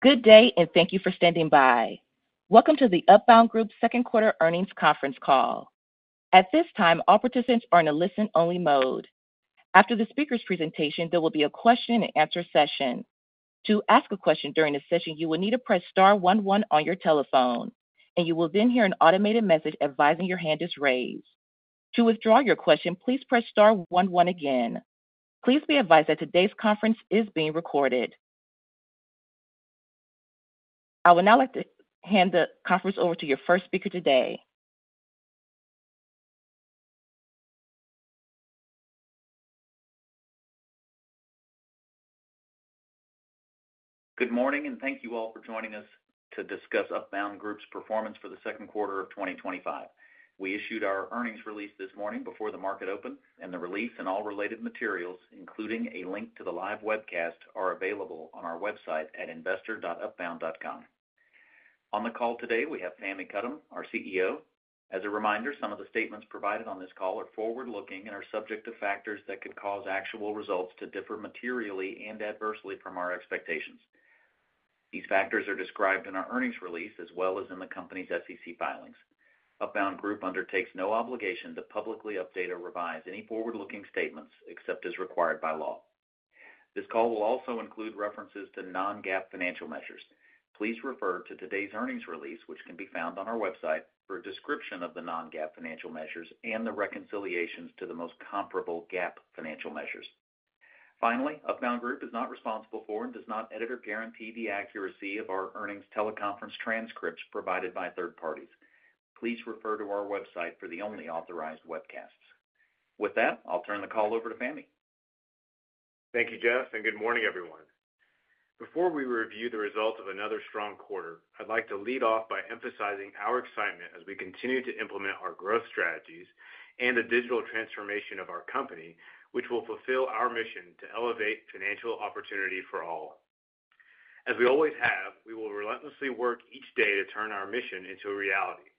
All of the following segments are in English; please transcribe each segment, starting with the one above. Good day and thank you for standing by. Welcome to the Upbound Group second quarter earnings conference call. At this time, all participants are in a listen-only mode. After the speaker's presentation, there will be a question and answer session. To ask a question during the session, you will need to press star one one on your telephone and you will then hear an automated message advising your hand is raised. To withdraw your question, please press star one one again. Please be advised that today's conference is being recorded. I would now like to hand the conference over to your first speaker today. Good morning and thank you all for joining us to discuss Upbound Group's performance for the second quarter of 2025. We issued our earnings release this morning before the market opened, and the release and all related materials, including a link to the live webcast, are available on our website at investor.upbound.com. On the call today we have Fahmi Karam., our CEO. As a reminder, some of the statements provided on this call are forward-looking and are subject to factors that could cause actual results to differ materially and adversely from our expectations. These factors are described in our earnings release as well as in the company's SEC filings. Upbound Group undertakes no obligation to publicly update or revise any forward-looking statements except as required by law. This call will also include references to non-GAAP financial measures. Please refer to today's earnings release, which can be found on our website, for a description of the non-GAAP financial measures and the reconciliations to the most comparable GAAP financial measures. Finally, Upbound Group is not responsible for and does not edit or guarantee the accuracy of our earnings teleconference transcripts provided by third parties. Please refer to our website for the only authorized webcasts. With that, I'll turn the call over to Fahmi Thank you, Jeff, and good morning everyone. Before we review the results of another strong quarter, I'd like to lead off by emphasizing our excitement as we continue to implement our growth strategies and the digital transformation of our company, which will fulfill our mission to elevate financial opportunity for all. As we always have, we will relentlessly work each day to turn our mission into a reality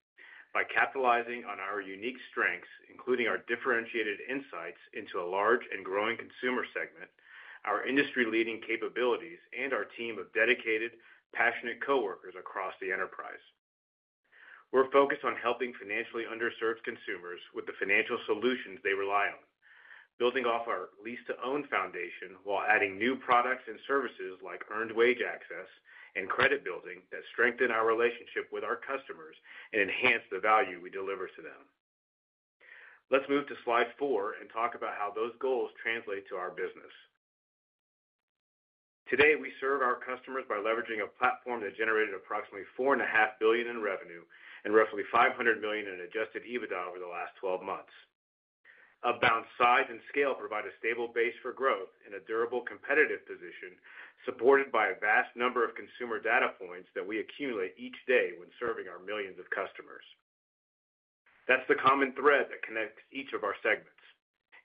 by capitalizing on our unique strengths, including our differentiated insights into a large and growing consumer segment, our industry-leading capabilities, and our team of dedicated, passionate coworkers across the enterprise. We're focused on helping financially underserved consumers with the financial solutions they rely on, building off our lease-to-own foundation while adding new products and services like earned wage access and credit building that strengthen our relationship with our customers and enhance the value we deliver to them. Let's move to slide 4 and talk about how those goals translate to our business. Today, we serve our customers by leveraging a platform that generated approximately $4.5 billion in revenue and roughly $500 million in adjusted EBITDA over the last 12 months. Upbound's size and scale provide a stable base for growth in a durable competitive position supported by a vast number of consumer data points that we accumulate each day when serving our millions of customers. That's the common thread that connects each of our segments,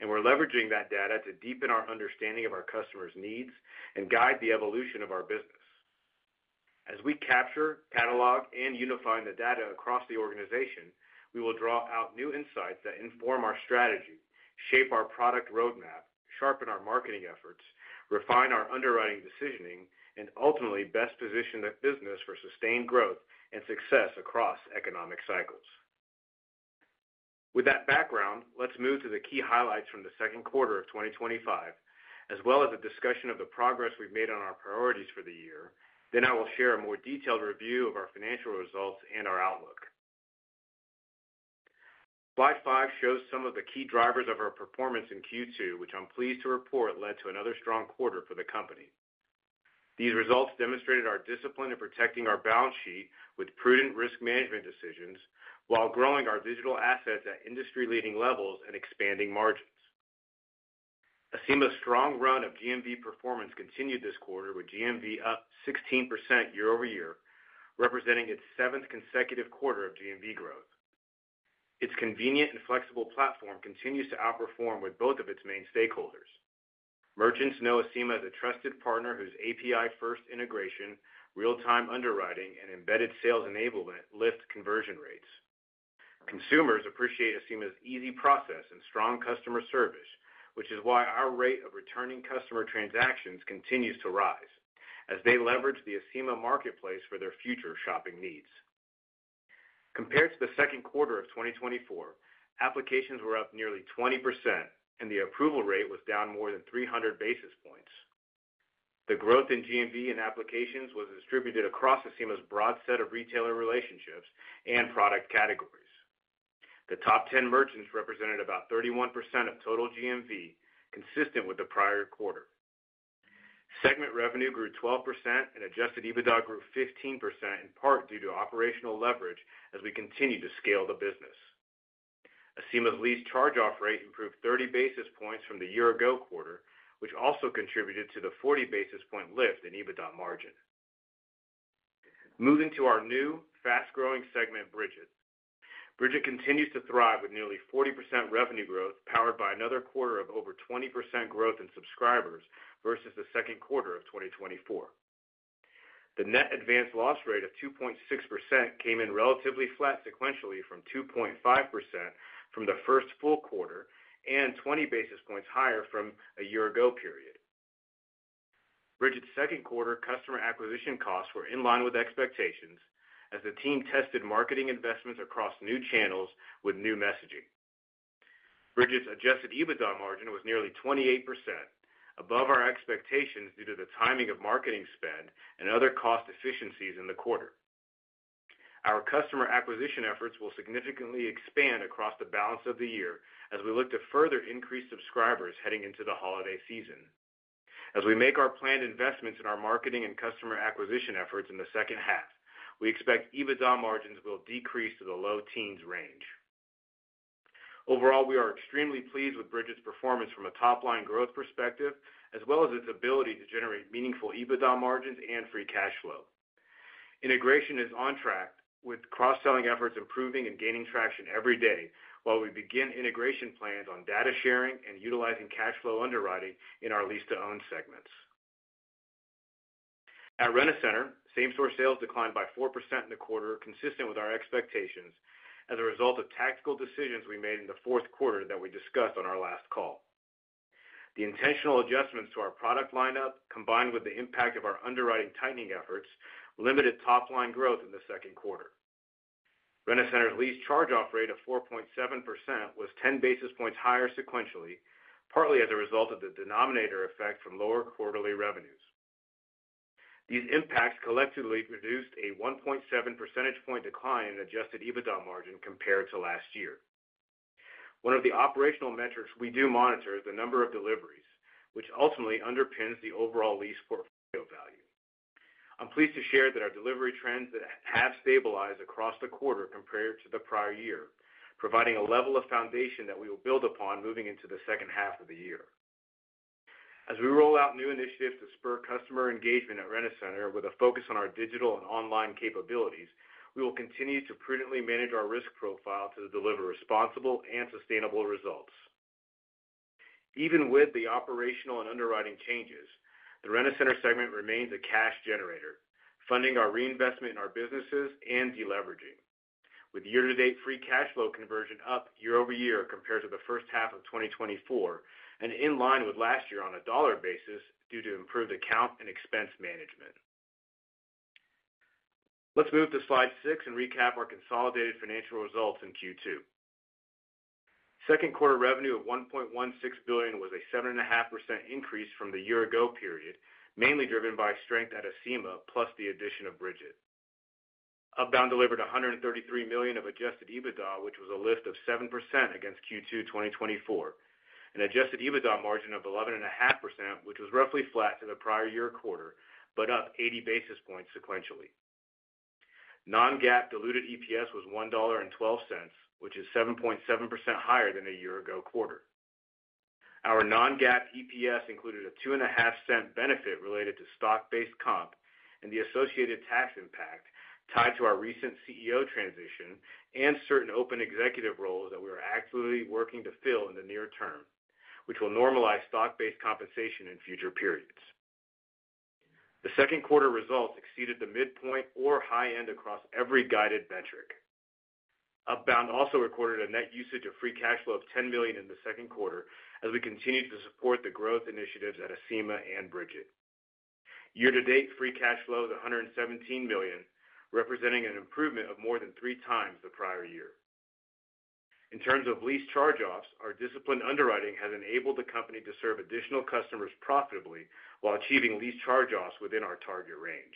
and we're leveraging that data to deepen our understanding of our customers' needs and guide the evolution of our business. As we capture, catalog, and unify the data across the organization, we will draw out new insights that inform our strategy, shape our product roadmap, sharpen our marketing efforts, refine our underwriting decisioning, and ultimately best position the business for sustained growth and success across economic cycles. With that background, let's move to the key highlights from the second quarter of 2025, as well as a discussion of the progress we've made on our priorities for the year. I will share a more detailed review of our financial results and our outlook. slide five shows some of the key drivers of our performance in Q2, which I'm pleased to report led to another strong quarter for the company. These results demonstrated our discipline in protecting our balance sheet with prudent risk management decisions while growing our digital assets at leading levels and expanding margins. Acima's strong run of GMV performance continued this quarter, with GMV up 16% year-over-year, representing its seventh consecutive quarter of GMV growth. Its convenient and flexible platform continues to outperform with both of its main stakeholders. Merchants know Acima as a trusted partner whose API-first integration, real-time underwriting, and embedded sales enablement lift conversion rates. Consumers appreciate Acima's easy process and strong customer service, which is why our rate of returning customer transactions continues to rise as they leverage the Acima marketplace for their future shopping needs. Compared to the second quarter of 2024, applications were up nearly 20% and the approval rate was down more than 300 basis points. The growth in GMV and applications was distributed across Acima's broad set of retailer relationships and product categories. The top 10 merchants represented about 31% of total GMV, consistent with the prior quarter. Segment revenue grew 12% and adjusted EBITDA grew 15%, in part due to operational leverage. As we continue to scale the business, Acima's lease charge-off rate improved 30 basis points from the year-ago quarter, which also contributed to the 40 basis point lift in EBITDA margin. Moving to our new fast-growing segment Brigit. Brigit continues to thrive with nearly 40% revenue growth, powered by another quarter of over 20% growth in subscribers versus the second quarter of 2024. The net advanced loss rate of 2.6% came in relatively flat sequentially from 2.5% from the first full quarter and 20 basis points higher from a year-ago period. Brigit's second quarter customer acquisition costs were in line with expectations as the team tested marketing investments across new channels with new messaging. Brigit's adjusted EBITDA margin was nearly 28% above our expectations due to the timing of marketing spend and other cost efficiencies in the quarter. Our customer acquisition efforts will significantly expand across the balance of the year as we look to further increase subscribers heading into the holiday season. As we make our planned investments in our marketing and customer acquisition efforts in the second half, we expect EBITDA margins will decrease to the low teens range. Overall, we are extremely pleased with Brigit's performance from a top-line growth perspective as well as its ability to generate meaningful EBITDA margins and free cash flow. Integration is on track with cross-selling efforts improving and gaining traction every day while we begin integration plans on data sharing and utilizing cash flow underwriting in our lease-to-own segments. At Rent-A-Center, same-store sales declined by 4% in the quarter, consistent with our expectations as a result of tactical decisions we made in the fourth quarter that we discussed on our last call. The intentional adjustments to our product lineup combined with the impact of our underwriting tightening efforts limited top-line growth in the second quarter. Rent-A-Center's lease charge-off rate of 4.7% was 10 basis points higher sequentially, partly as a result of the denominator effect from lower quarterly revenues. These impacts collectively produced a 1.7 percentage point decline in adjusted EBITDA margin compared to last year. One of the operational metrics we do monitor is the number of deliveries, which ultimately underpins the overall lease portfolio value. I'm pleased to share that our delivery trends have stabilized across the quarter compared to the prior year, providing a level of foundation that we will build upon moving into the second half of the year as we roll out new initiatives to spur customer engagement at Rent-A-Center with a focus on our digital and online capabilities. We will continue to prudently manage our risk profile to deliver responsible and sustainable results. Even with the operational and underwriting changes, the Rent-A-Center segment remains a cash generator, funding our reinvestment in our businesses and deleveraging with year-to-date free cash flow conversion up year-over-year compared to the first half of 2024 and in line with last year on a dollar basis due to improved account and expense management. Let's move to slide six and recap our consolidated financial results in Q2. Second quarter revenue of $1.16 billion was a 7.5% increase from the year-ago period, mainly driven by strength at Acima plus the addition of Brigit. Upbound delivered $133 million of adjusted EBITDA, which was a lift of 7% against Q2 2024, an adjusted EBITDA margin of 11.5%, which was roughly flat to the prior year quarter but up 80 basis points sequentially. Non-GAAP diluted EPS was $1.12, which is 7.7% higher than a year-ago quarter. Our non-GAAP EPS included a $0.025 benefit related to stock-based comp and the associated tax impact tied to our recent CEO transition and certain open executive roles that we are actively working to fill in the near term, which will normalize stock-based compensation in future periods. The second quarter results exceeded the midpoint or high end across every guided metric. Upbound also recorded a net usage of free cash flow of $10 million in the second quarter as we continue to support the growth initiatives at Acima and Brigit. Year-to-date free cash flow is $117 million, representing an improvement of more than three times the prior year. In terms of lease charge-offs, our disciplined underwriting has enabled the company to serve additional customers profitably while achieving lease charge-offs within our target range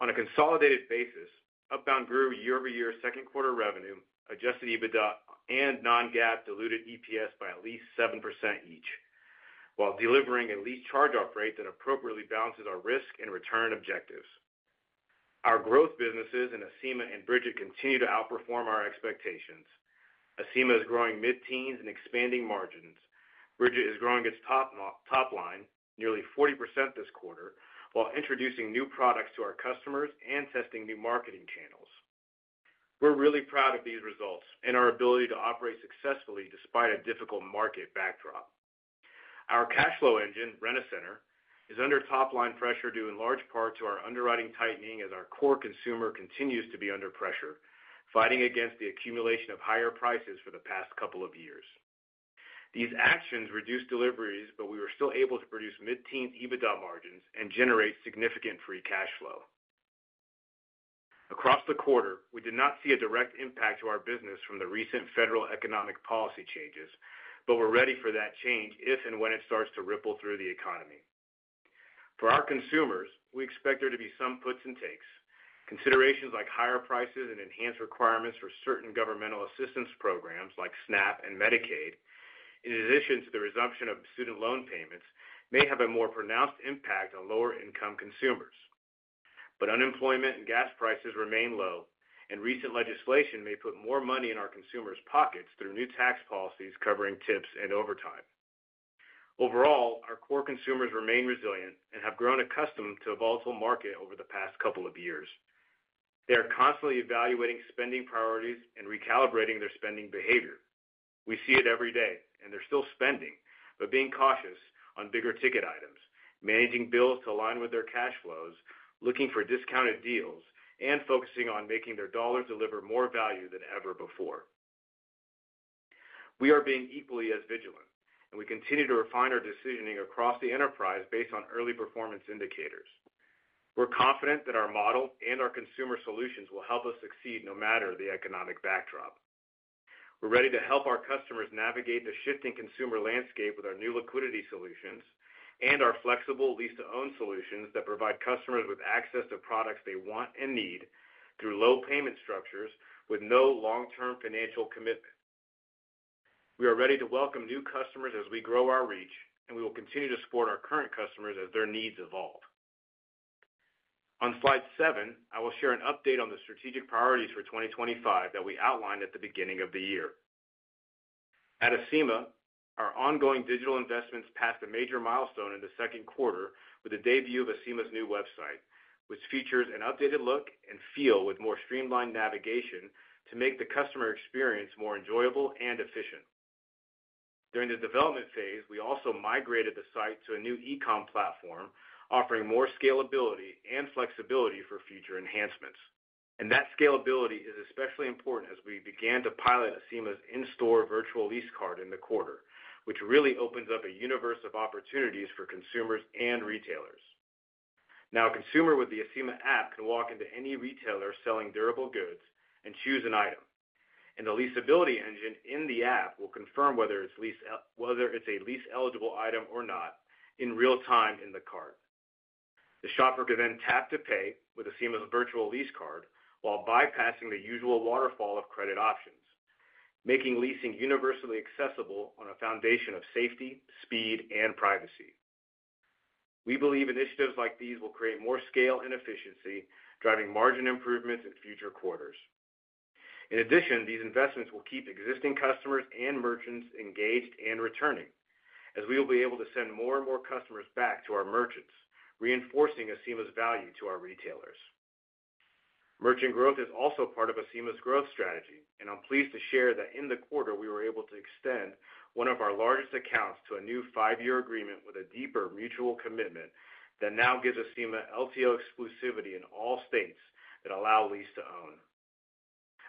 on a consolidated basis. Upbound grew year-over-year second quarter revenue, adjusted EBITDA, and non-GAAP diluted EPS by at least 7% each while delivering a lease charge-off rate that appropriately balances our risk and return objectives. Our growth businesses in Acima and Brigit continue to outperform our expectations. Acima is growing mid-teens and expanding margins. Brigit is growing its top line nearly 40% this quarter while introducing new products to our customers and testing new marketing channels. We're really proud of these results and our ability to operate successfully despite a difficult market backdrop. Our cash flow engine, Rent-A-Center, is under top line pressure due in large part to our underwriting tightening as our core consumer continues to be under pressure fighting against the accumulation of higher prices. For the past couple of years, these actions reduced deliveries, but we were still able to produce mid-teens EBITDA margins and generate significant free cash flow across the quarter. We did not see a direct impact to our business from the recent federal economic policy changes, but we're ready for that change if and when it starts to ripple through the economy for our consumers. We expect there to be some puts and takes. Considerations like higher prices and enhanced requirements for certain governmental assistance programs like SNAP and Medicaid, in addition to the resumption of student loan payments, may have a more pronounced impact on lower income consumers, but unemployment and gas prices remain low and recent legislation may put more money in our consumers' pockets through new tax policies covering tips and overtime. Overall, our core consumers remain resilient and have grown accustomed to a volatile market over the past couple of years. They are constantly evaluating spending priorities and recalibrating their spending behavior. We see it every day and they're still spending but being cautious on bigger ticket items, managing bills to align with their cash flows, looking for discounted deals, and focusing on making their dollars deliver more value than ever before. We are being equally as vigilant and we continue to refine our decisioning across the enterprise based on early performance indicators. We're confident that our model and our consumer solutions will help us succeed no matter the economic backdrop. We're ready to help our customers navigate the shifting consumer landscape with our new liquidity solutions and our flexible lease-to-own solutions that provide customers with access to products they want and need through low payment structures with no long-term financial commitment. We are ready to welcome new customers as we grow our reach, and we will continue to support our current customers as their needs evolve. On slide seven, I will share an update on the strategic priorities for 2025 that we outlined at the beginning of the year. At Acima, our ongoing digital investments passed a major milestone in the second quarter with the debut of Acima's new website, which features an updated look and feel with more streamlined navigation to make the customer experience more enjoyable and efficient. During the development phase, we also migrated the site to a new e-commerce platform, offering more scalability and flexibility for future enhancements. That scalability is especially important as we began to pilot Acima's in-store virtual lease card in the quarter, which really opens up a universe of opportunities for consumers and retailers. Now a consumer with the Acima app can walk into any retailer selling durable goods and choose an item, and the leasability engine in the app will confirm whether it's a lease-eligible item or not in real time in the cart. The shopper can then tap to pay with Acima's virtual lease card while bypassing the usual waterfall of credit options, making leasing universally accessible on a foundation of safety, speed, and privacy. We believe initiatives like these will create more scale and efficiency, driving margin improvements in future quarters. In addition, these investments will keep existing customers and merchants engaged and returning as we will be able to send more and more customers back to our merchants, reinforcing Acima's value to our retailers. Merchant growth is also part of Acima's growth strategy, and I'm pleased to share that in the quarter we were able to extend one of our largest accounts to a new five-year agreement with a deeper mutual commitment that now gives Acima lease-to-own exclusivity in all states that allow lease-to-own.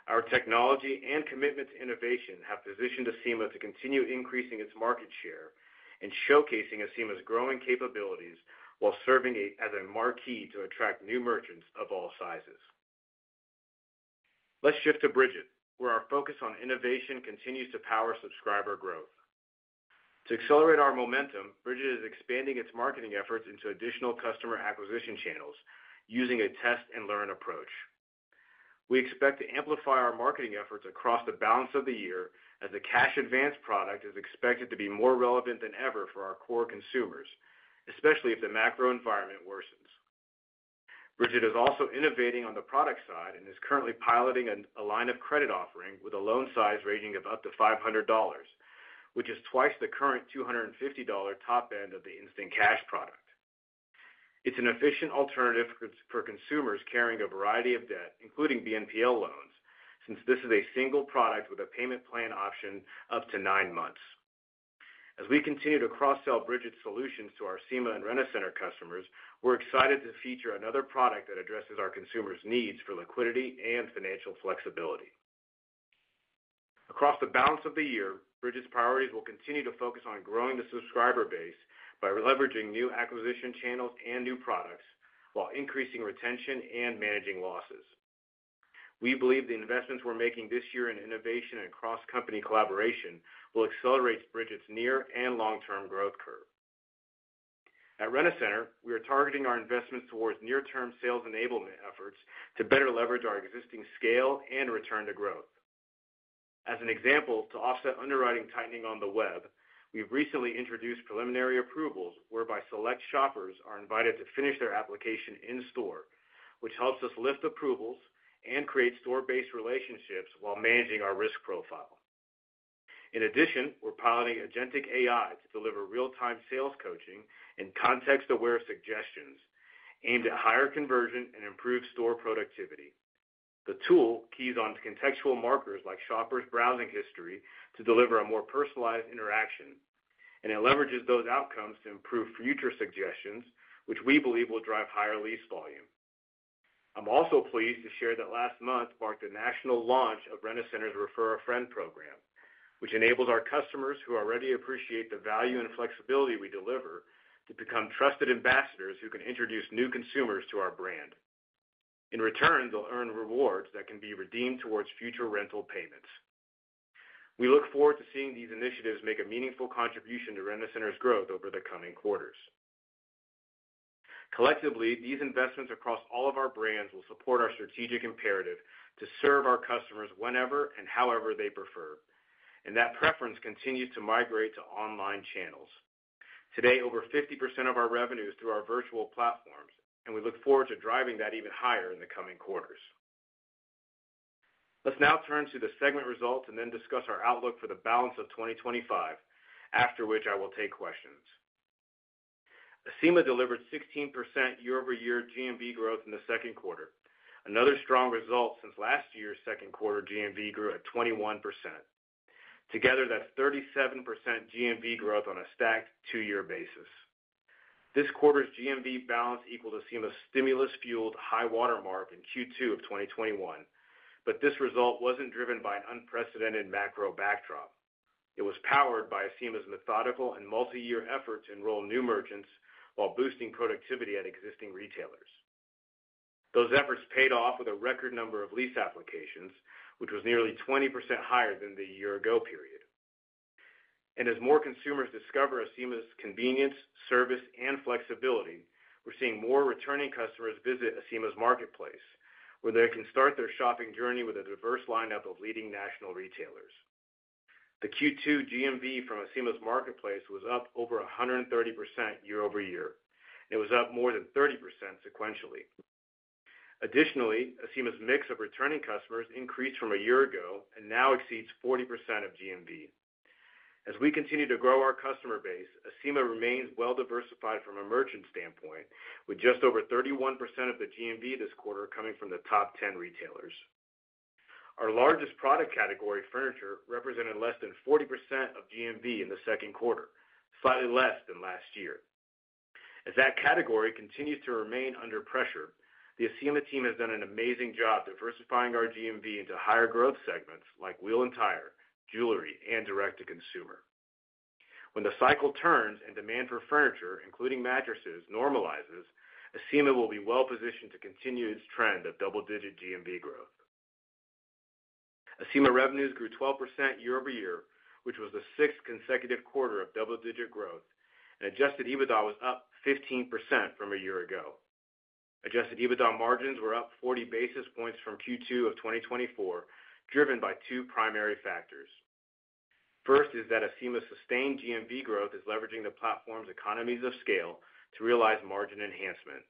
Our technology and commitment to innovation have positioned Acima to continue increasing its market share and showcasing Acima's growing capabilities while serving as a marquee to attract new merchants of all sizes. Let's shift to Brigit, where our focus on innovation continues to power subscriber growth. To accelerate our momentum, Brigit is expanding its marketing efforts into additional customer acquisition channels. Using a test and learn approach, we expect to amplify our marketing efforts across the balance of the year as the cash advance product is expected to be more relevant than ever for our core consumers, especially if the macro environment worsens. Brigit is also innovating on the product side and is currently piloting a line of credit offering with a loan size ranging up to $500, which is twice the current $250 top end of the instant cash product. It's an efficient alternative for consumers carrying a variety of debt including BNPL loans since this is a single product with a payment plan option up to nine months. As we continue to cross sell Brigit's solutions to our Acima and Rent-A-Center customers, we're excited to feature another product that addresses our consumers' needs for liquidity and financial flexibility. Across the balance of the year, Brigit's priorities will continue to focus on growing the subscriber base by leveraging new acquisition channels and new products while increasing retention and managing losses. We believe the investments we're making this year in innovation and cross-company collaboration will accelerate Brigit's near and long term growth curve. At Rent-A-Center, we are targeting our investments towards near term sales enablement efforts to better leverage our existing scale and return to growth. As an example, to offset underwriting tightening on the web, we've recently introduced preliminary approvals whereby select shoppers are invited to finish their application in store, which helps us lift approvals and create store-based relationships while managing our risk profile. In addition, we're piloting agentics AIs to deliver real time sales coaching and context aware suggestions aimed at higher conversion and improved store productivity. The tool keys on contextual markers like shoppers' browsing history to deliver a more personalized interaction, and it leverages those outcomes to improve future suggestions, which we believe will drive higher lease volume. I'm also pleased to share that last month marked the national launch of Rent-A-Center's Refer a Friend program, which enables our customers who already appreciate the value and flexibility we deliver to become trusted ambassadors who can introduce new consumers to our brand. In return, they'll earn rewards that can be redeemed towards future rental payments. We look forward to seeing these initiatives make a meaningful contribution to Rent-A-Center's growth over the coming quarters. Collectively, these investments across all of our brands will support our strategic imperative to serve our customers whenever and however they prefer, and that preference continues to migrate to online channels. Today, over 50% of our revenue is through our virtual platforms and we look forward to driving that even higher in the coming quarters. Let's now turn to the segment results and then discuss our outlook for the balance of 2025, after which I will take questions. Acima delivered 16% year-over-year GMV growth in the second quarter, another strong result since last year's second quarter GMV grew at 21%. Together, that's 37% GMV growth on a stacked two-year basis. This quarter's GMV balance equals Acima stimulus-fueled high water mark in Q2 of 2021. This result wasn't driven by an unprecedented macro backdrop. It was powered by Acima's methodical and multi-year effort to enroll new merchants while boosting productivity at existing retailers. Those efforts paid off with a record number of lease applications, which was nearly 20% higher than the year-ago period. As more consumers discover Acima's convenience, service, and flexibility, we're seeing more returning customers visit Acima's marketplace, where they can start their shopping journey with a diverse lineup of leading national retailers. The Q2 GMV from Acima's Marketplace was up over 130% year-over-year, and it was up more than 30% sequentially. Additionally, Acima's mix of returning customers increased from a year ago and now exceeds 40% of GMV. As we continue to grow our customer base, Acima remains well diversified from a merchant standpoint, with just over 31% of the GMV this quarter coming from the top 10 retailers. Our largest product category, furniture, represented less than 40% of GMV in the second quarter, slightly less than last year. As that category continues to remain under pressure, the Acima team has done an amazing job diversifying our GMV into higher growth segments like wheel and tire, jewelry, and direct to consumer. When the cycle turns and demand for furniture, including mattresses, normalizes, Acima will be well positioned to continue its trend of double digit GMV growth. Acima revenues grew 12% year-over year, which was the sixth consecutive quarter of double digit growth, and adjusted EBITDA was up 15% from a year ago. Adjusted EBITDA margins were up 40 basis points from Q2 of 2024, driven by two primary factors. First is that Acima's sustained GMV growth is leveraging the platform's economies of scale to realize margin enhancement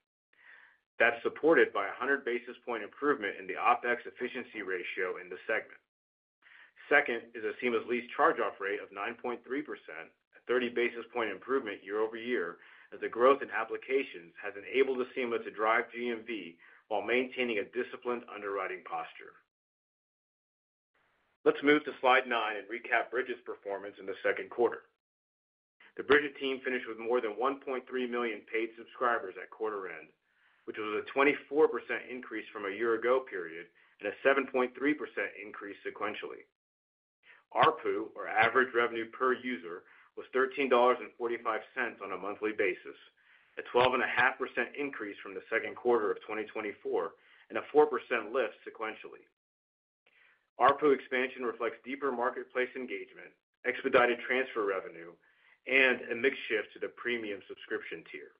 that's supported by 100 basis point improvement in the OpEx efficiency ratio in the segment. Second is Acima's lease charge-off rate of 9.3%, a 30 basis point improvement year-over-year. As the growth in applications has enabled Acima to drive GMV while maintaining a disciplined underwriting posture, let's move to slide nine and recap Brigit's performance in the second quarter. The Brigit team finished with more than 1.3 million paid subscribers at quarter end, which was a 24% increase from a year ago period and a 7.3% increase sequentially. ARPU, or average revenue per user, was $13.45 on a monthly basis, a 12.5% increase from the second quarter of 2024 and a 4% lift sequentially. ARPU expansion reflects deeper marketplace engagement, expedited transfer revenue, and a mix shift to the premium subscription tier.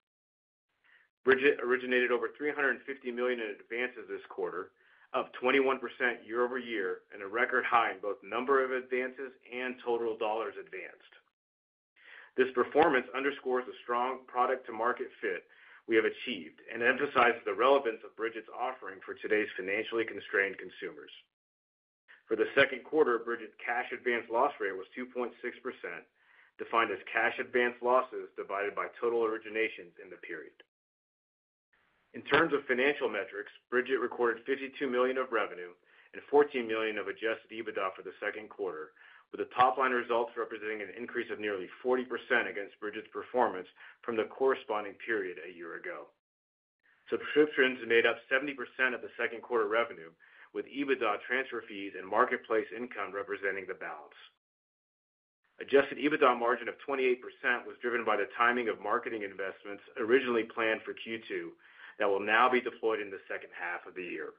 Brigit originated over $350 million in advances this quarter, up 21% year-over-year and a record high in both number of advances and total dollars advanced. This performance underscores the strong product to market fit we have achieved and emphasized the relevance of Brigit's offering for today's financially constrained consumers. For the second quarter, Brigit's cash advance loss rate was 2.6%, defined as cash advance losses divided by total originations in the period. In terms of financial metrics, Brigit recorded $52 million of revenue and $14 million of adjusted EBITDA for the second quarter, with the top line results representing an increase of nearly 40% against Brigit's performance from the corresponding period a year ago. Subscriptions made up 70% of the second quarter revenue, with expedited transfer fees and marketplace income representing the balance. Adjusted EBITDA margin of 28% was driven by the timing of marketing investments originally planned for Q2 that will now be deployed in the second half of the year.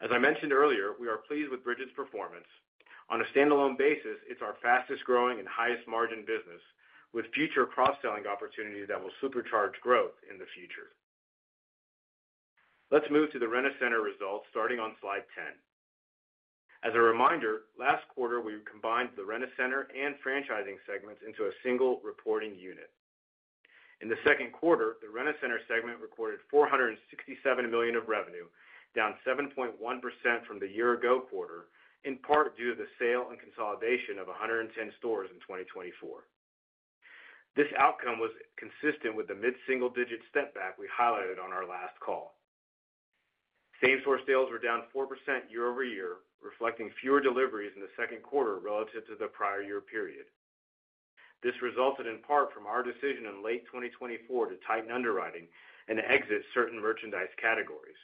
As I mentioned earlier, we are pleased with Brigit's performance on a standalone basis. It's our fastest growing and highest margin business with future cross-segment synergies that will supercharge growth in the future. Let's move to the Rent-A-Center results starting on slide 10. As a reminder, last quarter we combined the Rent-A-Center and Franchising segments into a single reporting unit. In the second quarter, the Rent-A-Center segment recorded $467 million of revenue, down 7.1% from the year ago quarter, in part due to the sale and consolidation of 110 stores in 2024. This outcome was consistent with the mid single digit step back we highlighted on our last call. Same-store sales were down 4% year-over-year, reflecting fewer deliveries in the second quarter relative to the prior year period. This resulted in part from our decision in late 2024 to tighten underwriting and exit certain merchandise categories,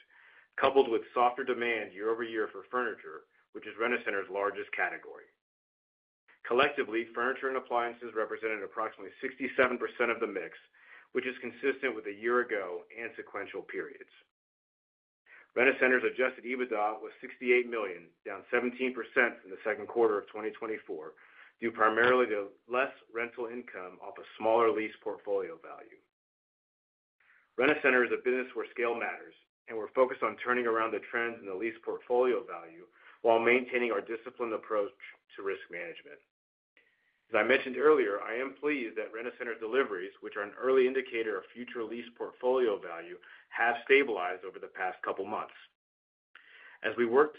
coupled with softer demand year-over-year for furniture, which is Rent-A-Center's largest category. Collectively, furniture and appliances represented approximately 67% of the mix, which is consistent with a year ago and sequential periods. Rent-A-Center's adjusted EBITDA was $68 million, down 17% in the second quarter of 2024 due primarily to less rental income off a smaller lease portfolio value. Rent-A-Center is a business where scale matters and we're focused on turning around the trends in the lease portfolio value while maintaining our disciplined approach to risk management. As I mentioned earlier, I am pleased that Rent-A-Center deliveries, which are an early indicator of future lease portfolio value, have stabilized over the past couple months as we work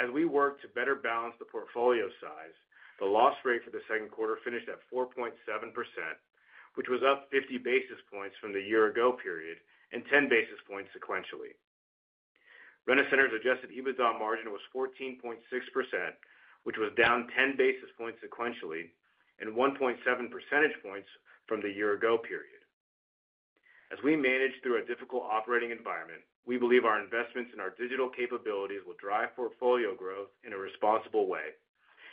to better balance the portfolio size. The loss rate for the second quarter finished at 4.7%, which was up 50 basis points from the year ago period and 10 basis points sequentially. Rent-A-Center's adjusted EBITDA margin was 14.6%, which was down 10 basis points sequentially and 1.7 percentage points from the year ago period. As we manage through a difficult operating environment, we believe our investments in our digital capabilities will drive portfolio growth in a responsible way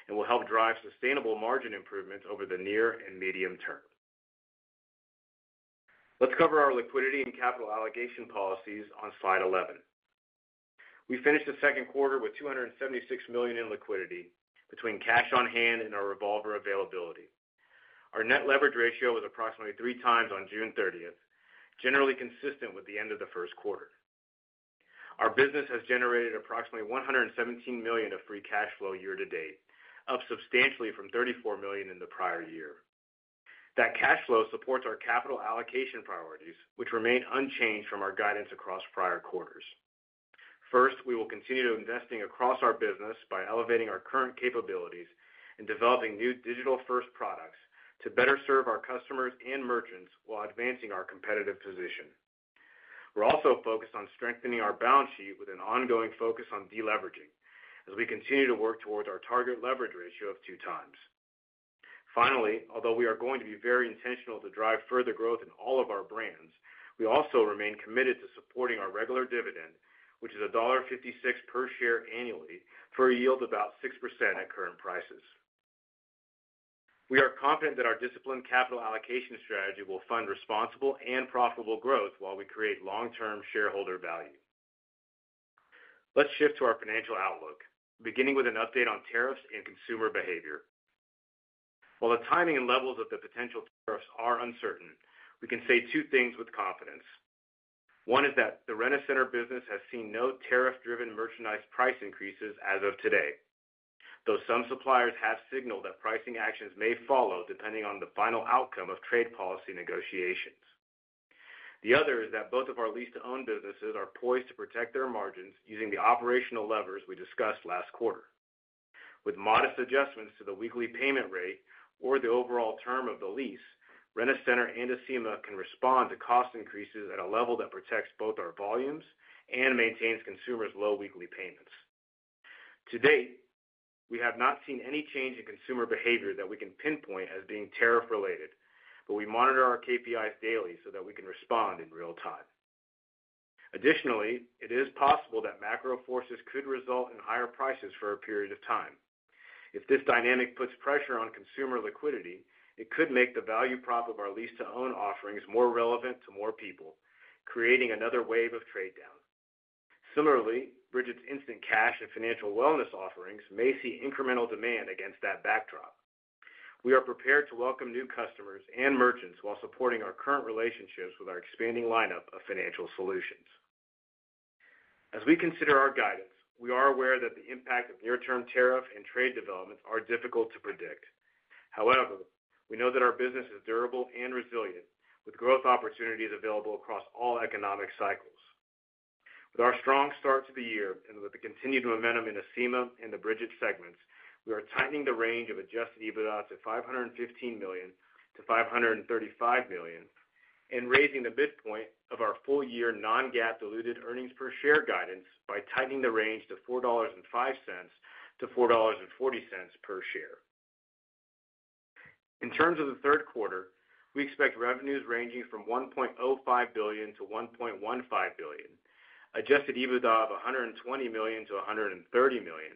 and will help drive sustainable margin improvements over the near and medium term. Let's cover our liquidity and capital allocation policies. On slide 11, we finished the second quarter with $276 million in liquidity between cash on hand and our revolver availability. Our net leverage ratio was approximately 3x on June 30th, generally consistent with the end of the first quarter. Our business has generated approximately $117 million of free cash flow year to date, up substantially from $34 million in the prior year. That cash flow supports our capital allocation priorities, which remain unchanged from our guidance across prior quarters. First, we will continue investing across our business by elevating our current capabilities and developing new digital-first products to better serve our customers and merchants while advancing our competitive position. We are also focused on strengthening our balance sheet with an ongoing focus on deleveraging as we continue to work towards our target leverage ratio of 2x. Finally, although we are going to be very intentional to drive further growth in all of our brands, we also remain committed to supporting our regular dividend, which is $1.56 per share annually for a yield of about 6% at current prices. We are confident that our disciplined capital allocation strategy will fund responsible and profitable growth while we create long-term shareholder value. Let's shift to our financial outlook, beginning with an update on tariffs and consumer behavior. While the timing and levels of the potential tariffs are uncertain, we can say two things with confidence. One is that the Rent-A-Center business has seen no tariff-driven merchandise price increases as of today, though some suppliers have signaled that pricing actions may follow depending on the final outcome of trade policy negotiations. The other is that both of our lease-to-own businesses are poised to protect their margins using the operational levers we discussed last quarter. With modest adjustments to the weekly payment rate or the overall term of the lease, Rent-A-Center and Acima can respond to cost increases at a level that protects both our volumes and maintains consumers' low weekly payments. To date, we have not seen any change in consumer behavior that we can pinpoint as being tariff-related, but we monitor our KPIs daily so that we can respond in real time. Additionally, it is possible that macro forces could result in higher prices for a period of time. If this dynamic puts pressure on consumer liquidity, it could make the value prop of our lease-to-own offerings more relevant to more people, creating another wave of trade down. Similarly, Brigit's instant cash and financial wellness offerings may see incremental demand. Against that backdrop, we are prepared to welcome new customers and merchants while supporting our current relationships with our expanding lineup of financial solutions. As we consider our guidance, we are aware that the impact of near-term tariff and trade developments are difficult to predict. However, we know that our business is durable and resilient with growth opportunities available across all economic cycles. With our strong start to the year and with the continued momentum in Acima and the Brigit segments, we are tightening the range of adjusted EBITDA to $515 million-$535 million and raising the midpoint of our full-year non-GAAP diluted earnings per share guidance by tightening the range to $4.05-$4.40 per share. In terms of the third quarter, we expect revenues ranging from $1.05 billion-$1.15 billion, adjusted EBITDA of $120 million-$130 million,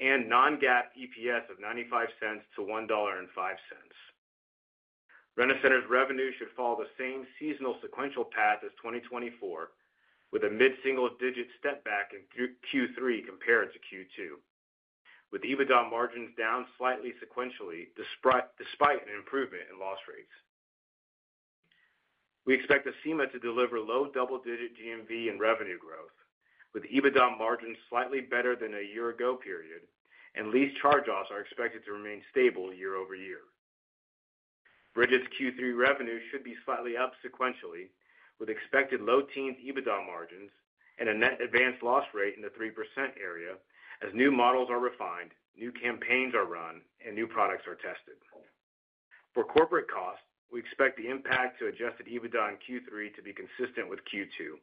and non-GAAP EPS of $0.95-$1.05. Rent-A-Center's revenue should follow the same seasonal sequential path as 2024 with a mid-single-digit step back in Q3 compared to Q2. With EBITDA margins down slightly sequentially despite an improvement in loss rates, we expect Acima to deliver low double-digit GMV and revenue growth with EBITDA margins slightly better than a year ago. Period and lease charge-offs are expected to remain stable year-over-year. Brigit's Q3 revenue should be slightly up sequentially with expected low-teens EBITDA margins and a net advanced loss rate in the 3% area. As new models are refined, new campaigns are run, and new products are tested for corporate costs, we expect the impact to adjusted EBITDA in Q3 to be consistent with Q2.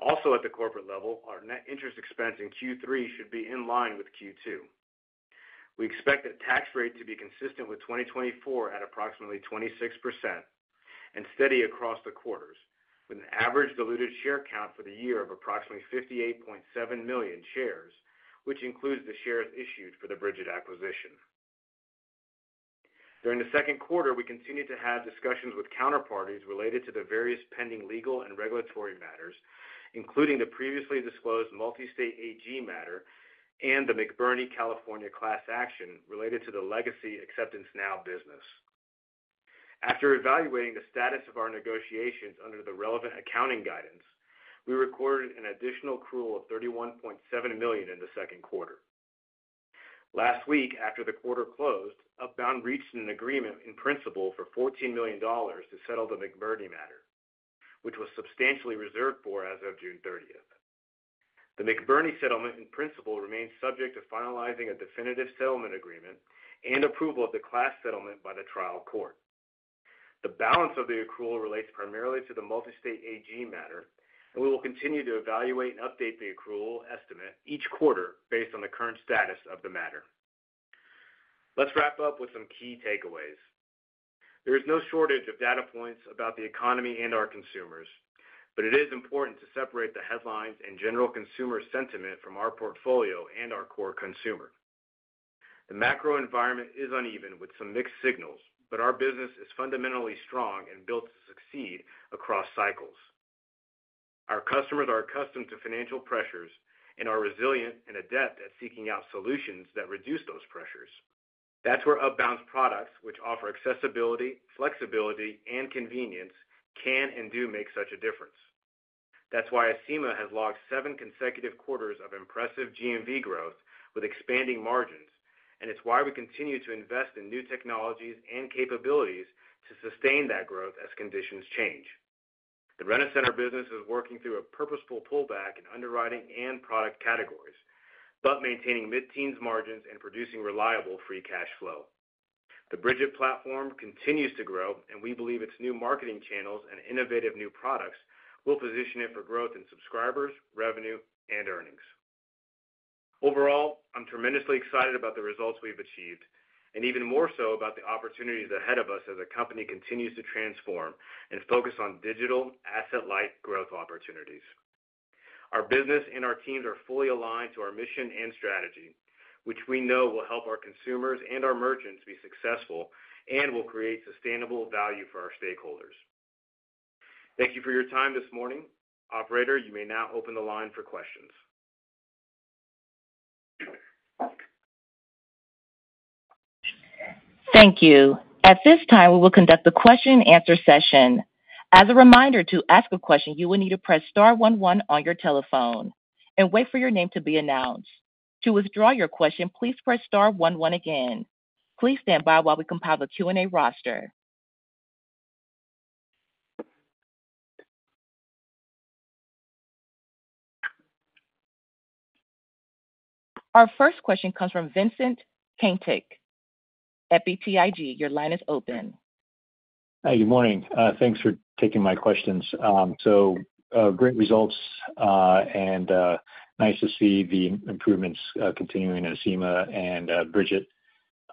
Also at the corporate level, our net interest expense in Q3 should be in line with Q2. We expect the tax rate to be consistent with 2024 at approximately 26% and steady across the quarters with an average diluted share count for the year of approximately 58.7 million shares, which includes the shares issued for the Brigit acquisition. During the second quarter, we continue to have discussions with counterparties related to the various pending legal and regulatory matters, including the previously disclosed multi-state AG matter and the McBurnie California class action related to the legacy Acceptance Now business. After evaluating the status of our negotiations under the relevant accounting guidance, we recorded an additional accrual of $31.7 million in the second quarter. Last week, after the quarter closed, Upbound reached an agreement in principle for $14 million to settle the McBurnie matter, which was substantially reserved for as of June 30th. The McBurnie settlement in principle remains subject to finalizing a definitive settlement agreement and approval of the class settlement by the trial court. The balance of the accrual relates primarily to the multi-state AG matter, and we will continue to evaluate and update the accrual estimate each quarter based on the current status of the matter. Let's wrap up with some key takeaways. There is no shortage of data points about the economy and our consumers, but it is important to separate the headlines and general consumer sentiment from our portfolio and our core consumer. The macro environment is uneven with some mixed signals, but our business is fundamentally strong and built to succeed across cycles. Our customers are accustomed to financial pressures and are resilient and adept at seeking out solutions that reduce those pressures. That's where Upbound's products, which offer accessibility, flexibility, and convenience, can and do make such a difference. That's why Acima has logged seven consecutive quarters of impressive GMV growth with expanding margins, and it's why we continue to invest in new technologies and capabilities to sustain that growth as conditions change. The Rent-A-Center business is working through a purposeful pullback in underwriting and product categories, but maintaining mid-teens margins and producing reliable free cash flow. The Brigit platform continues to grow, and we believe its new marketing channels and innovative new products will position it for growth in subscribers, revenue, and earnings. Overall, I'm tremendously excited about the results we've achieved, and even more so about the opportunities ahead of us as the company continues to transform and focus on digital asset-light growth opportunities. Our business and our teams are fully aligned to our mission and strategy, which we know will help our consumers and our merchants be successful and will create sustainable value for our stakeholders. Thank you for your time this morning. Operator, you may now open the line for questions. Thank you. At this time we will conduct the question and answer session. As a reminder, to ask a question, you will need to press star one one on your telephone and wait for your name to be announced. To withdraw your question, please press star one one again. Please stand by while we compile the Q and A roster. Our first question comes from Vincent Caintic at BTIG. Your line is open. Hi, good morning. Thanks for taking my questions. Great results and nice to see the improvements continuing in Acima and Brigit.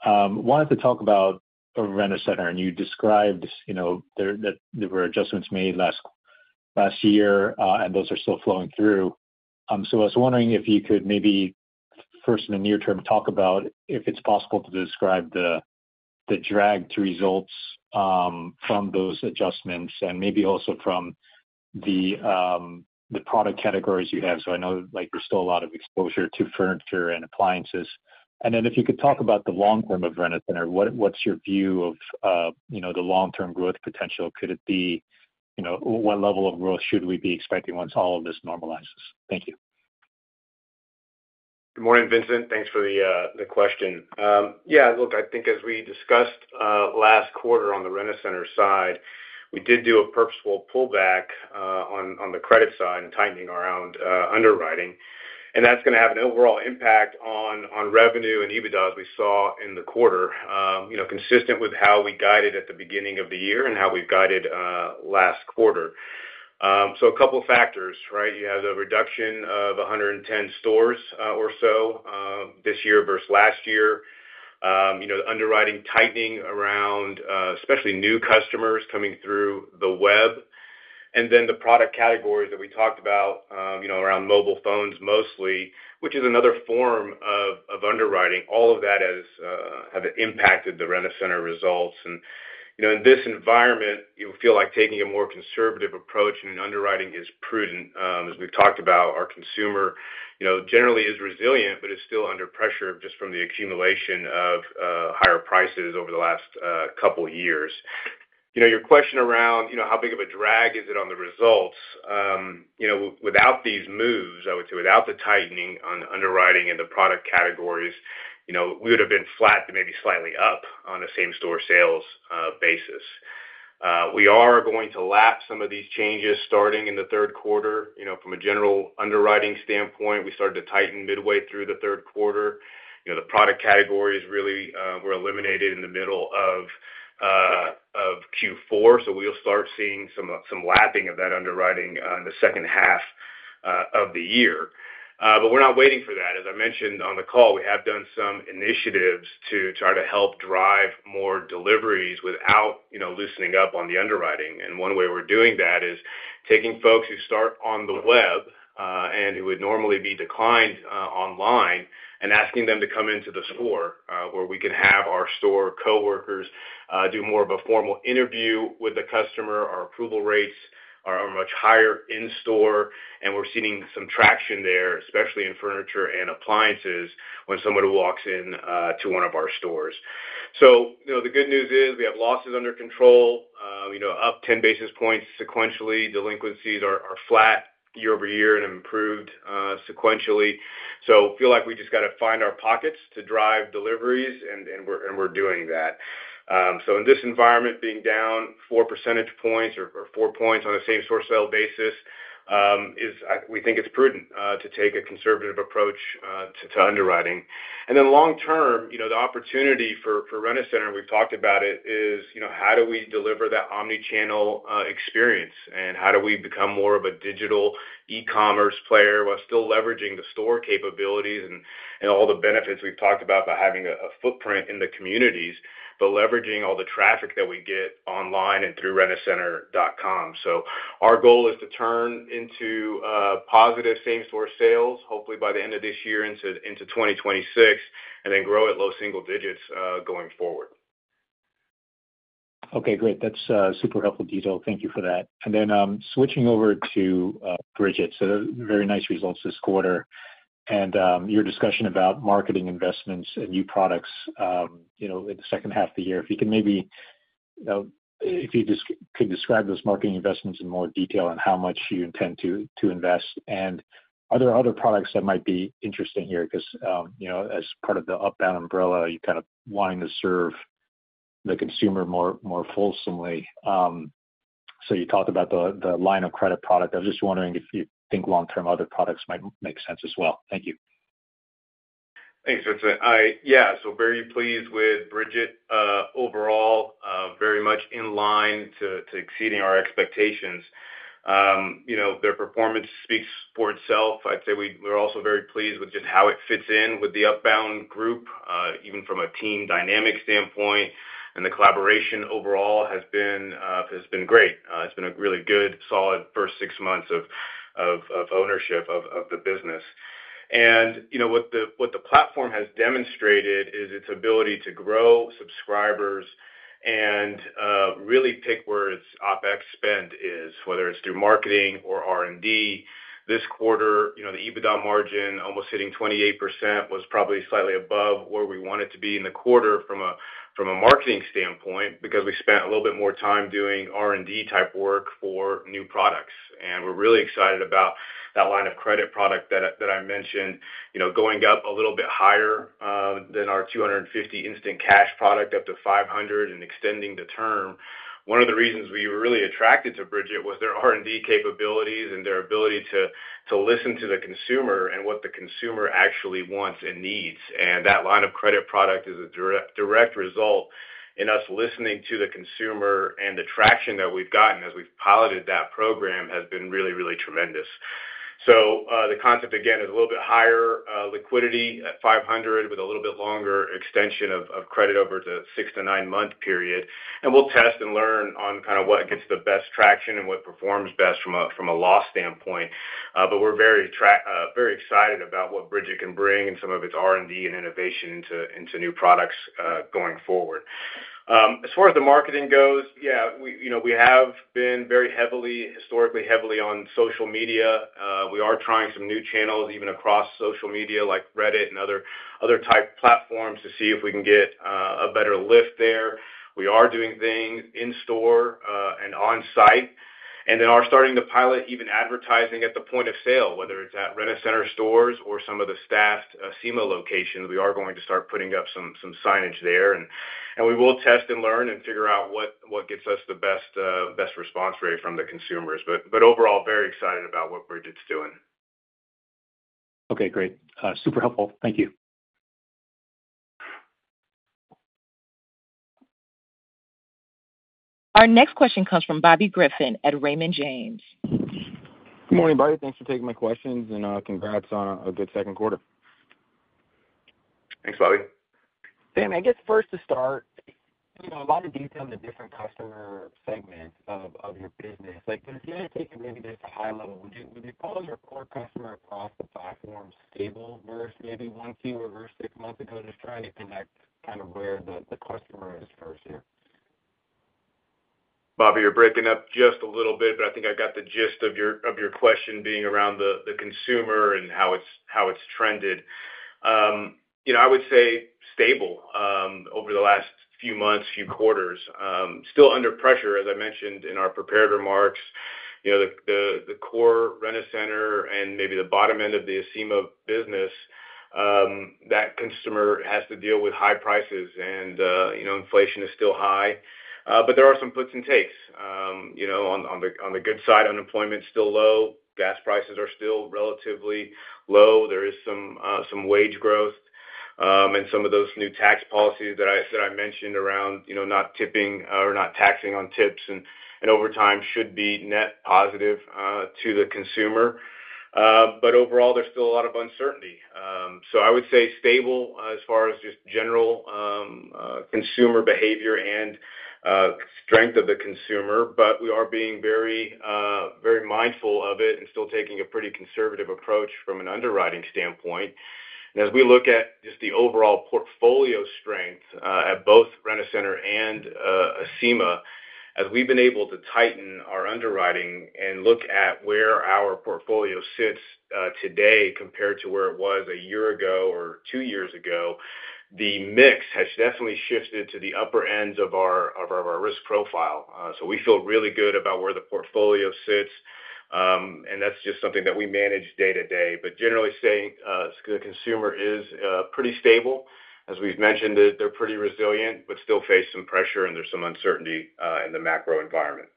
I wanted to talk about Rent-A-Center, and you described that there were adjustments made last year and those are still flowing through. I was wondering if you could maybe first in the near term talk about if it's possible to describe the drag to results from those adjustments and maybe also from the product categories you have. I know there's still a lot of exposure to furniture and appliances, and then if you could talk about the long term of Rent-A-Center and what's your view of the long-term growth potential. Could it be, what level of growth should we be expecting once all of this normalizes? Thank you Good morning. Vincent, thanks for the question. I think as we discussed last quarter on the Rent-A-Center side, we did do a purposeful pullback on the credit side and tightening our underwriting. That's going to have an overall impact on revenue and EBITDA as we saw in the quarter, consistent with how we guided at the beginning of the year and how we've guided last quarter. A couple factors, right? You have the reduction of 110 stores or so this year versus last year, underwriting tightening around especially new customers coming through the web, and then the product categories that we talked about around mobile phones mostly, which is another form of underwriting. All of that has impacted the Rent-A-Center results. In this environment, you feel like taking a more conservative approach in underwriting is prudent. As we've talked about, our consumer generally is resilient, but it's still under pressure just from the accumulation of higher prices over the last couple years. Your question around how big of a drag is it on the results without these moves, I would say without the tightening on underwriting and the product categories, we would have been flat to maybe slightly up on the same-store sales basis. We are going to lap some of these changes starting in the third quarter. From a general underwriting standpoint, we started to tighten midway through the third quarter. The product categories really were eliminated in the middle of Q4. We'll start seeing some lapping of that underwriting in the second half of the year, but we're not waiting for that. As I mentioned on the call, we have done some initiatives to try to help drive more deliveries without loosening up on the underwriting. One way we're doing that is taking folks who start on the web and who would normally be declined online and asking them to come into the store where we can have our store co-workers do more of a formal interview with the customer. Our approval rates are much higher in store and we're seeing some traction there, especially in furniture and appliances when somebody walks in to one of our stores. The good news is we have losses under control, up 10 basis points sequentially. Delinquencies are flat year-over-year and improved sequentially. I feel like we just got to find our pockets to drive deliveries and we're doing that. In this environment, being down 4% or 4 points on a same-store sales basis, we think it's prudent to take a conservative approach to underwriting. Long term, the opportunity for Rent-A-Center we've talked about is how do we deliver that omnichannel experience and how do we become more of a digital e-commerce player while still leveraging the store capabilities and all the benefits we've talked about by having a footprint in the communities, but leveraging all the traffic that we get online and through rentacenter.com. Our goal is to turn into positive same-store sales hopefully by the end of this year into 2026, and then grow it low single digits going forward. Okay, great, that's super helpful, detail. Thank you for that. Switching over to Brigit. Very nice results this quarter and your discussion about marketing investments and new products in the second half of the year. If you could describe those marketing investments in more detail on how much you intend to invest, and are there other products that might be interesting here? As part of the Upbound umbrella, you kind of want to serve the consumer more fulsomely. You talked about the Brigit line of credit product. I was just wondering if you think long term other products might make sense as well. Thank you. Thanks, Vincent. Very pleased with Brigit overall. Very much in line to exceeding our expectations. Their performance speaks for itself, I'd say. We're also very pleased with just how it fits in with the Upbound Group, even from a team dynamic standpoint. The collaboration overall has been great. It's been a really good solid first six months of ownership of the business. What the platform has demonstrated is its ability to grow subscribers and really pick where its OpEx spend is, whether it's through marketing or R&D. This quarter, the EBITDA margin, almost hitting 28%, was probably slightly above where we want it to be in the quarter from a marketing standpoint because we spent a little bit more time doing R&D type work for new products. We're really excited about that line of credit product that I mentioned, going up a little bit higher than our $250 instant cash product, up to $500 and extending the term. One of the reasons we were really attracted to Brigit was their R&D capabilities and their ability to listen to the consumer and what the consumer actually wants and needs. That line of credit product is a direct result of us listening to the consumer and the traction that we've gotten as we've piloted that program has been really, really tremendous. The concept again is a little bit higher liquidity at $500 with a little bit longer extension of credit over the six-nine month period. We'll test and learn on what gets the best traction and what performs best from a loss standpoint. We're very excited about what Brigit can bring and some of its R&D and innovation into new products going forward. As far as the marketing goes, we have been very heavily, historically heavily social media. We are trying some new channels even across social media like Reddit and other type platforms to see if we can get a better lift there. We are doing things in store and on site and they are starting to pilot even advertising at the point of sale, whether it's at Rent-A-Center stores or some of the staffed Acima locations. We are going to start putting up some signage there and we will test and learn and figure out what gets us the best response rate from the consumers. Overall, very excited about what Brigit's doing. Okay, great. Super helpful. Thank you. Our next question comes from Bobby Griffin at Raymond James. Good morning, buddy. Thanks for taking my questions and congrats on a good second quarter. Thanks, Bobby. Then, I guess first to start, a lot of detail in the different customer segments of your business. Can you see if you can maybe just at a high level, would you call your core customer across the platform stable versus maybe once you reverse six months ago? They tried to collect kind of where the customer is first here. Bobby, you're breaking up just a little bit, but I think I got the gist of your question. Being around the consumer and how it's trended, I would say stable over the last few months, few quarters, still under pressure. As I mentioned in our prepared remarks, the core Rent-A-Center and maybe the bottom end of the Acima business, that consumer has to deal with high prices and inflation is still high. There are some puts and takes. On the good side, unemployment is still low, gas prices are still relatively low. There is some wage growth and some of those new tax policies that I mentioned around not taxing on tips and overtime should be net positive to the consumer. Overall, there's still a lot of uncertainty. I would say stable as far as just general consumer behavior and strength of the consumer, but we are being very mindful of it and still taking a pretty conservative approach from an underwriting standpoint. As we look at just the overall portfolio strength at both Rent-A-Center and Acima, as we've been able to tighten our underwriting and look at where our portfolio sits today compared to where it was a year ago or two years ago, the mix has definitely shifted to the upper end of our risk profile. We feel really good about where the portfolio sits and that's just something that we manage day to day. Generally saying, the consumer is pretty stable. As we've mentioned, they're pretty resilient but still favorable. Some pressure and there's some uncertainty in the macro environment.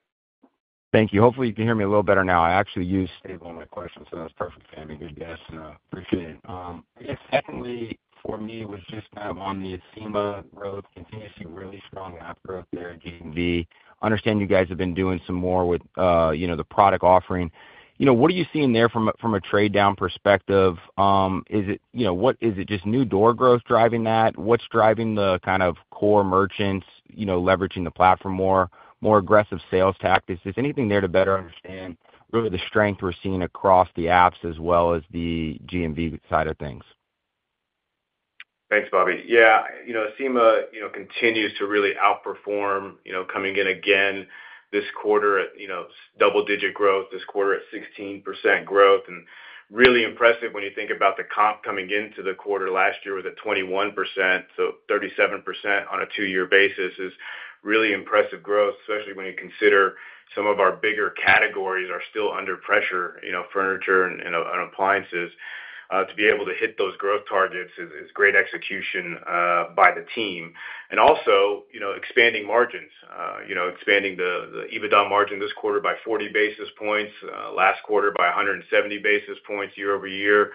Thank you. Hopefully you can hear me a little better now.I actually used stable in my question, so that's perfect. Fahmi good guess. Appreciate it. It's definitely for me was just that on the Acima growth continues to really strong after up there in GMV. Understand you guys have been doing some more with, you know, the product offering. What are you seeing there from a trade down perspective? Is it, you know, what is it just new door growth driving that? What's driving the kind of core merchants, you know, leveraging the platform, more aggressive sales tactics. Is anything there to better understand really the strength we're seeing across the apps as well as the GMV side of things? Thanks, Bobby. Yeah, Acima continues to really outperform. Coming in again this quarter at double-digit growth, this quarter at 16% growth and really impressive when you think about the comp coming into the quarter last year with a 21%, so 37% on a two-year basis is really impressive growth. Especially when you consider some of our bigger categories are still under pressure, furniture and appliances. To be able to hit those growth targets is great execution by the team and also expanding margins, expanding the EBITDA margin this quarter by 40 basis points, last quarter by 170 basis points year-over-year.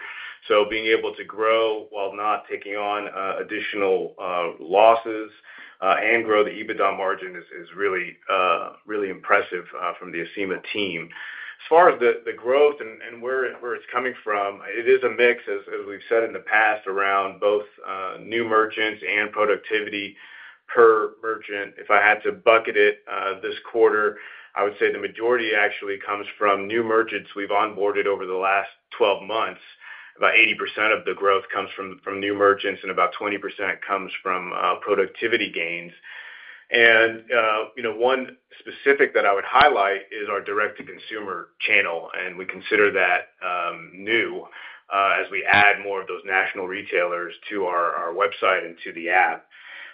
Being able to grow while not taking on additional losses and grow the EBITDA margin is really impressive from the Acima team as far as the growth and where it's coming from. It is a mix as we've said in the past around both new merchants and productivity per merchant. If I had to bucket it this quarter, I would say the majority actually comes from new merchants we've onboarded over the last 12 months. About 80% of the growth comes from new merchants and about 20% comes from productivity gains. One specific that I would highlight is our direct to consumer channel and we consider that new as we add more of those national retailers to our website and to the app,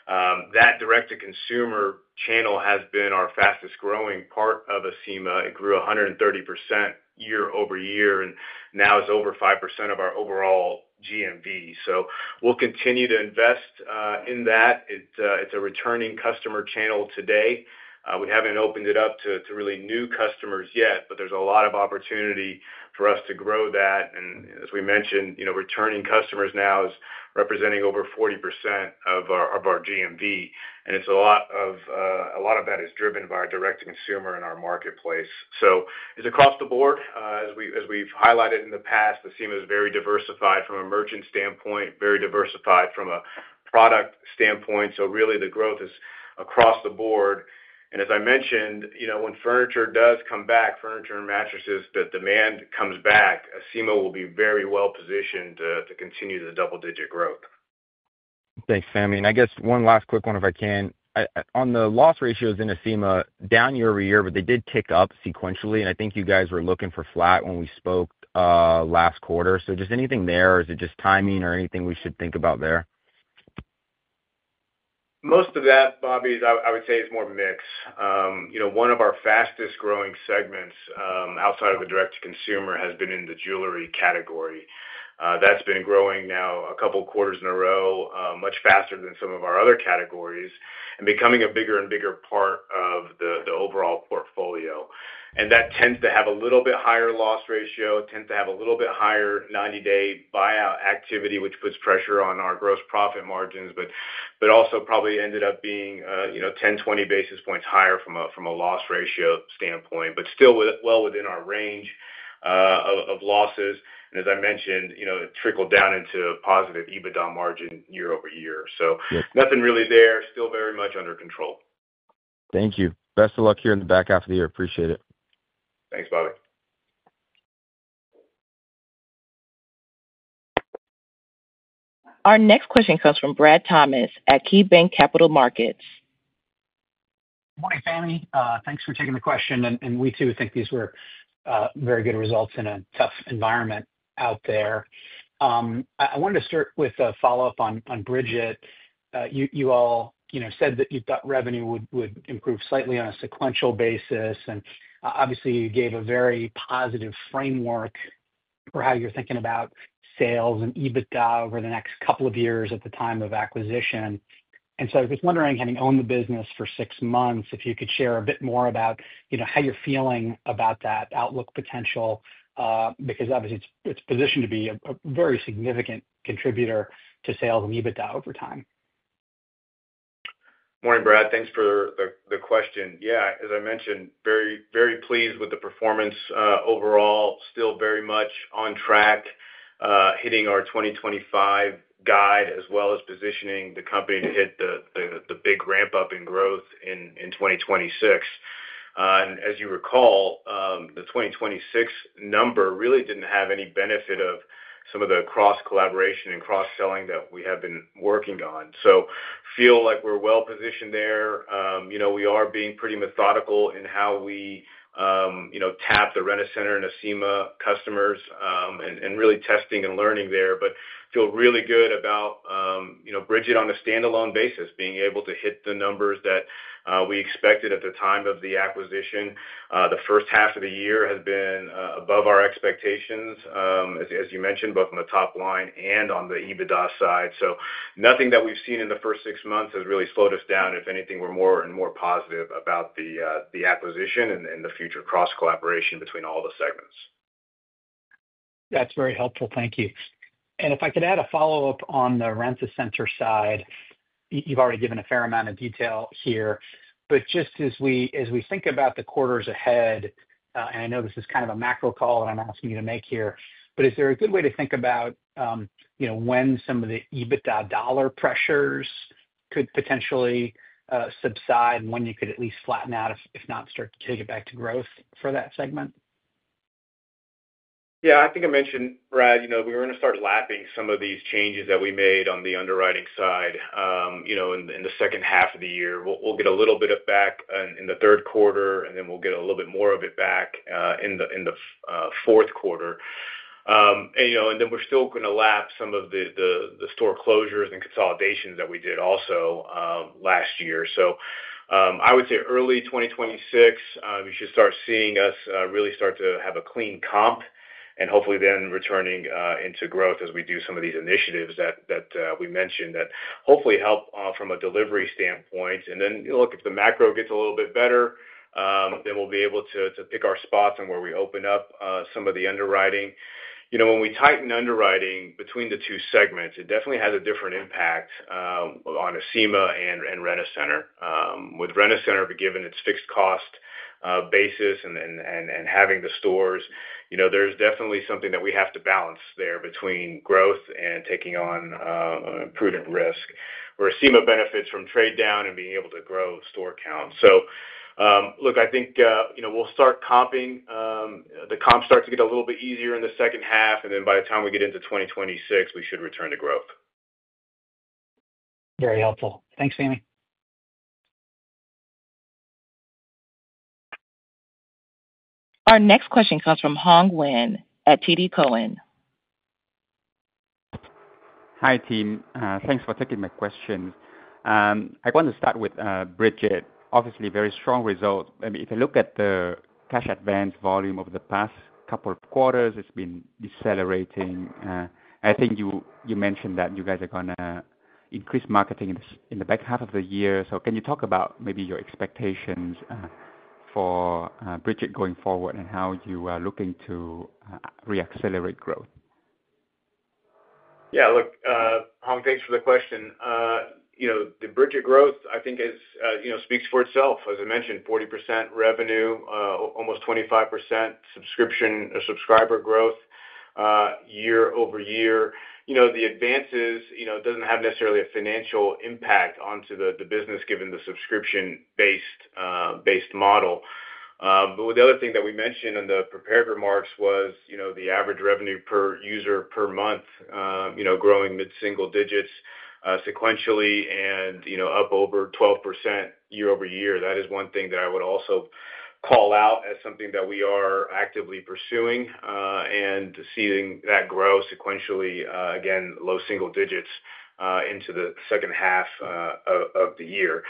that direct to consumer channel has been our fastest growing part of Acima. It grew 130% year-over-year and now is over 5% of our overall GMV. We'll continue to invest in that. It's a returning customer channel today. We haven't opened it up to really new customers yet, but there's a lot of opportunity for us to grow that. As we mentioned, returning customers now is representing over 40% of our GMV. A lot of that is driven by our direct to consumer in our marketplace. It's across the board. As we've highlighted in the past, Acima is very diversified from a merchant standpoint, very diversified from a product standpoint. Really the growth is across the board. As I mentioned, you know, when furniture does come back, furniture and mattresses, the demand comes back. Acima will be very well positioned to continue the double-digit growth. Thanks, Fahmi I guess one last quick one if I can on the loss ratios in Acima, down year-over-year, but they did tick up sequentially and I think you guys were looking for flat when we spoke last quarter. Is it just timing or anything we should think about there? Most of that, Bobby, I would say is more mix. One of our fastest growing segments outside of the direct to consumer has been in the jewelry category. That's been growing now a couple quarters in a row, much faster than some of our other categories and becoming a bigger and bigger part of the overall portfolio. That tends to have a little bit higher loss ratio, tends to have a little bit higher 90 day buyout activity, which puts pressure on our gross profit margins, but also probably ended up being 10-20 basis points higher from a loss ratio standpoint, but still well within our range of losses. As I mentioned, it trickled down into a positive EBITDA margin year-over-year. Nothing really there. Still very much under control. Thank you. Best of luck here in the back half of the year. Appreciate it. Thanks, Bobby. Our next question comes from Brad Thomas at Keybanc Capital Markets. Thanks for taking the question. We too think these were very good results in a tough environment out there. I wanted to start with a follow up on Brigit. You all, you know, said that you thought revenue would improve slightly on a sequential basis and obviously you gave a very positive framework for how you're thinking about sales and EBITDA over the next couple of years at the time of acquisition. I was wondering, having owned the business for six months, if you could share a bit more about, you know, how you're feeling about that outlook potential because obviously it's positioned to be a very significant contributor to sales and EBITDA over time. Morning Brad. Thanks for the question. Yeah, as I mentioned, very, very pleased with the performance overall. Still very much on track, hitting our 2025 guide as well as positioning the company to hit the big ramp up in growth in 2026. As you recall, the 2026 number really didn't have any benefit of some of the cross-segment synergies and cross selling that we have been working on. Feel like we're well positioned there. We are being pretty methodical in how we tap the Rent-A-Center and Acima customers and really testing and learning. Feel really good about Brigit on a standalone basis being able to hit the numbers that we expected at the time of the acquisition. The first half of the year has been above our expectations, as you mentioned, both on the top line and on the EBITDA side. Nothing that we've seen in the first six months has really slowed us down. If anything, we're more and more positive about the acquisition and the future cross collaboration between all the segments. That's very helpful, thank you. If I could add a follow up on the Rent-A-Center side. You've already given a fair amount of detail here, but just as we think about the quarters ahead, and I know this is kind of a macro call that I'm asking you to make here, is there a good way to think about when some of the EBITDA dollar pressures could potentially subside and when you could at least flatten out, if not start to get back to growth for that segment? Yeah, I think I mentioned, Brad, we're going to start lapping some of these changes that we made on the underwriting side. You know, in the second half of the year, we'll get a little bit of back in the third quarter, and then we'll get a little bit more of it back in the fourth quarter, you know, and then we're still going to lap some of the store closures and consolidations that we did also last year. I would say early 2026 you should start seeing us really start to have a clean comp and hopefully then returning into growth as we do some of these initiatives that we mentioned that hopefully help from a delivery standpoint. If the macro gets a little bit better, then we'll be able to pick our spots and where we open up some of the underwriting. When we tighten underwriting between the two segments, it definitely has a different impact on Acima and Rent-A-Center. With Rent-A-Center, given its fixed cost basis and having the stores, there's definitely something that we have to balance there between growth and taking on prudent risk, where Acima benefits from trade down and being able to grow store count. I think, you know, we'll start comping, the comps start to get a little bit easier in the second half, and then by the time we get into 2026 we should return to growth. Very helpful. Thanks, Fahmi. Our next question comes from Hoang Nguyen at TD Cowen Hi, Tim, thanks for taking my question. I want to start with Brigit. Obviously, very strong result. If you look at the cash advance volume over the past couple of quarters, it's been decelerating. I think you mentioned that you guys are going to increase marketing in the back half of the year. Can you talk about maybe your expectations for Brigit going forward and how you are looking to reaccelerate growth? Yeah, look, Hoang, thanks for the question. You know, the Brigit growth, I think, speaks for itself. As I mentioned, 40% revenue, almost 25% subscriber growth year-over-year. The advances don't have necessarily a financial impact onto the business given the subscription-based model. The other thing that we mentioned in the prepared remarks was the average revenue per user per month growing mid-single digits sequentially and up over 12% year-over-year. That is one thing that I would also call out as something that we are actively pursuing and seeing that grow sequentially, again low single digits into the second half of the year.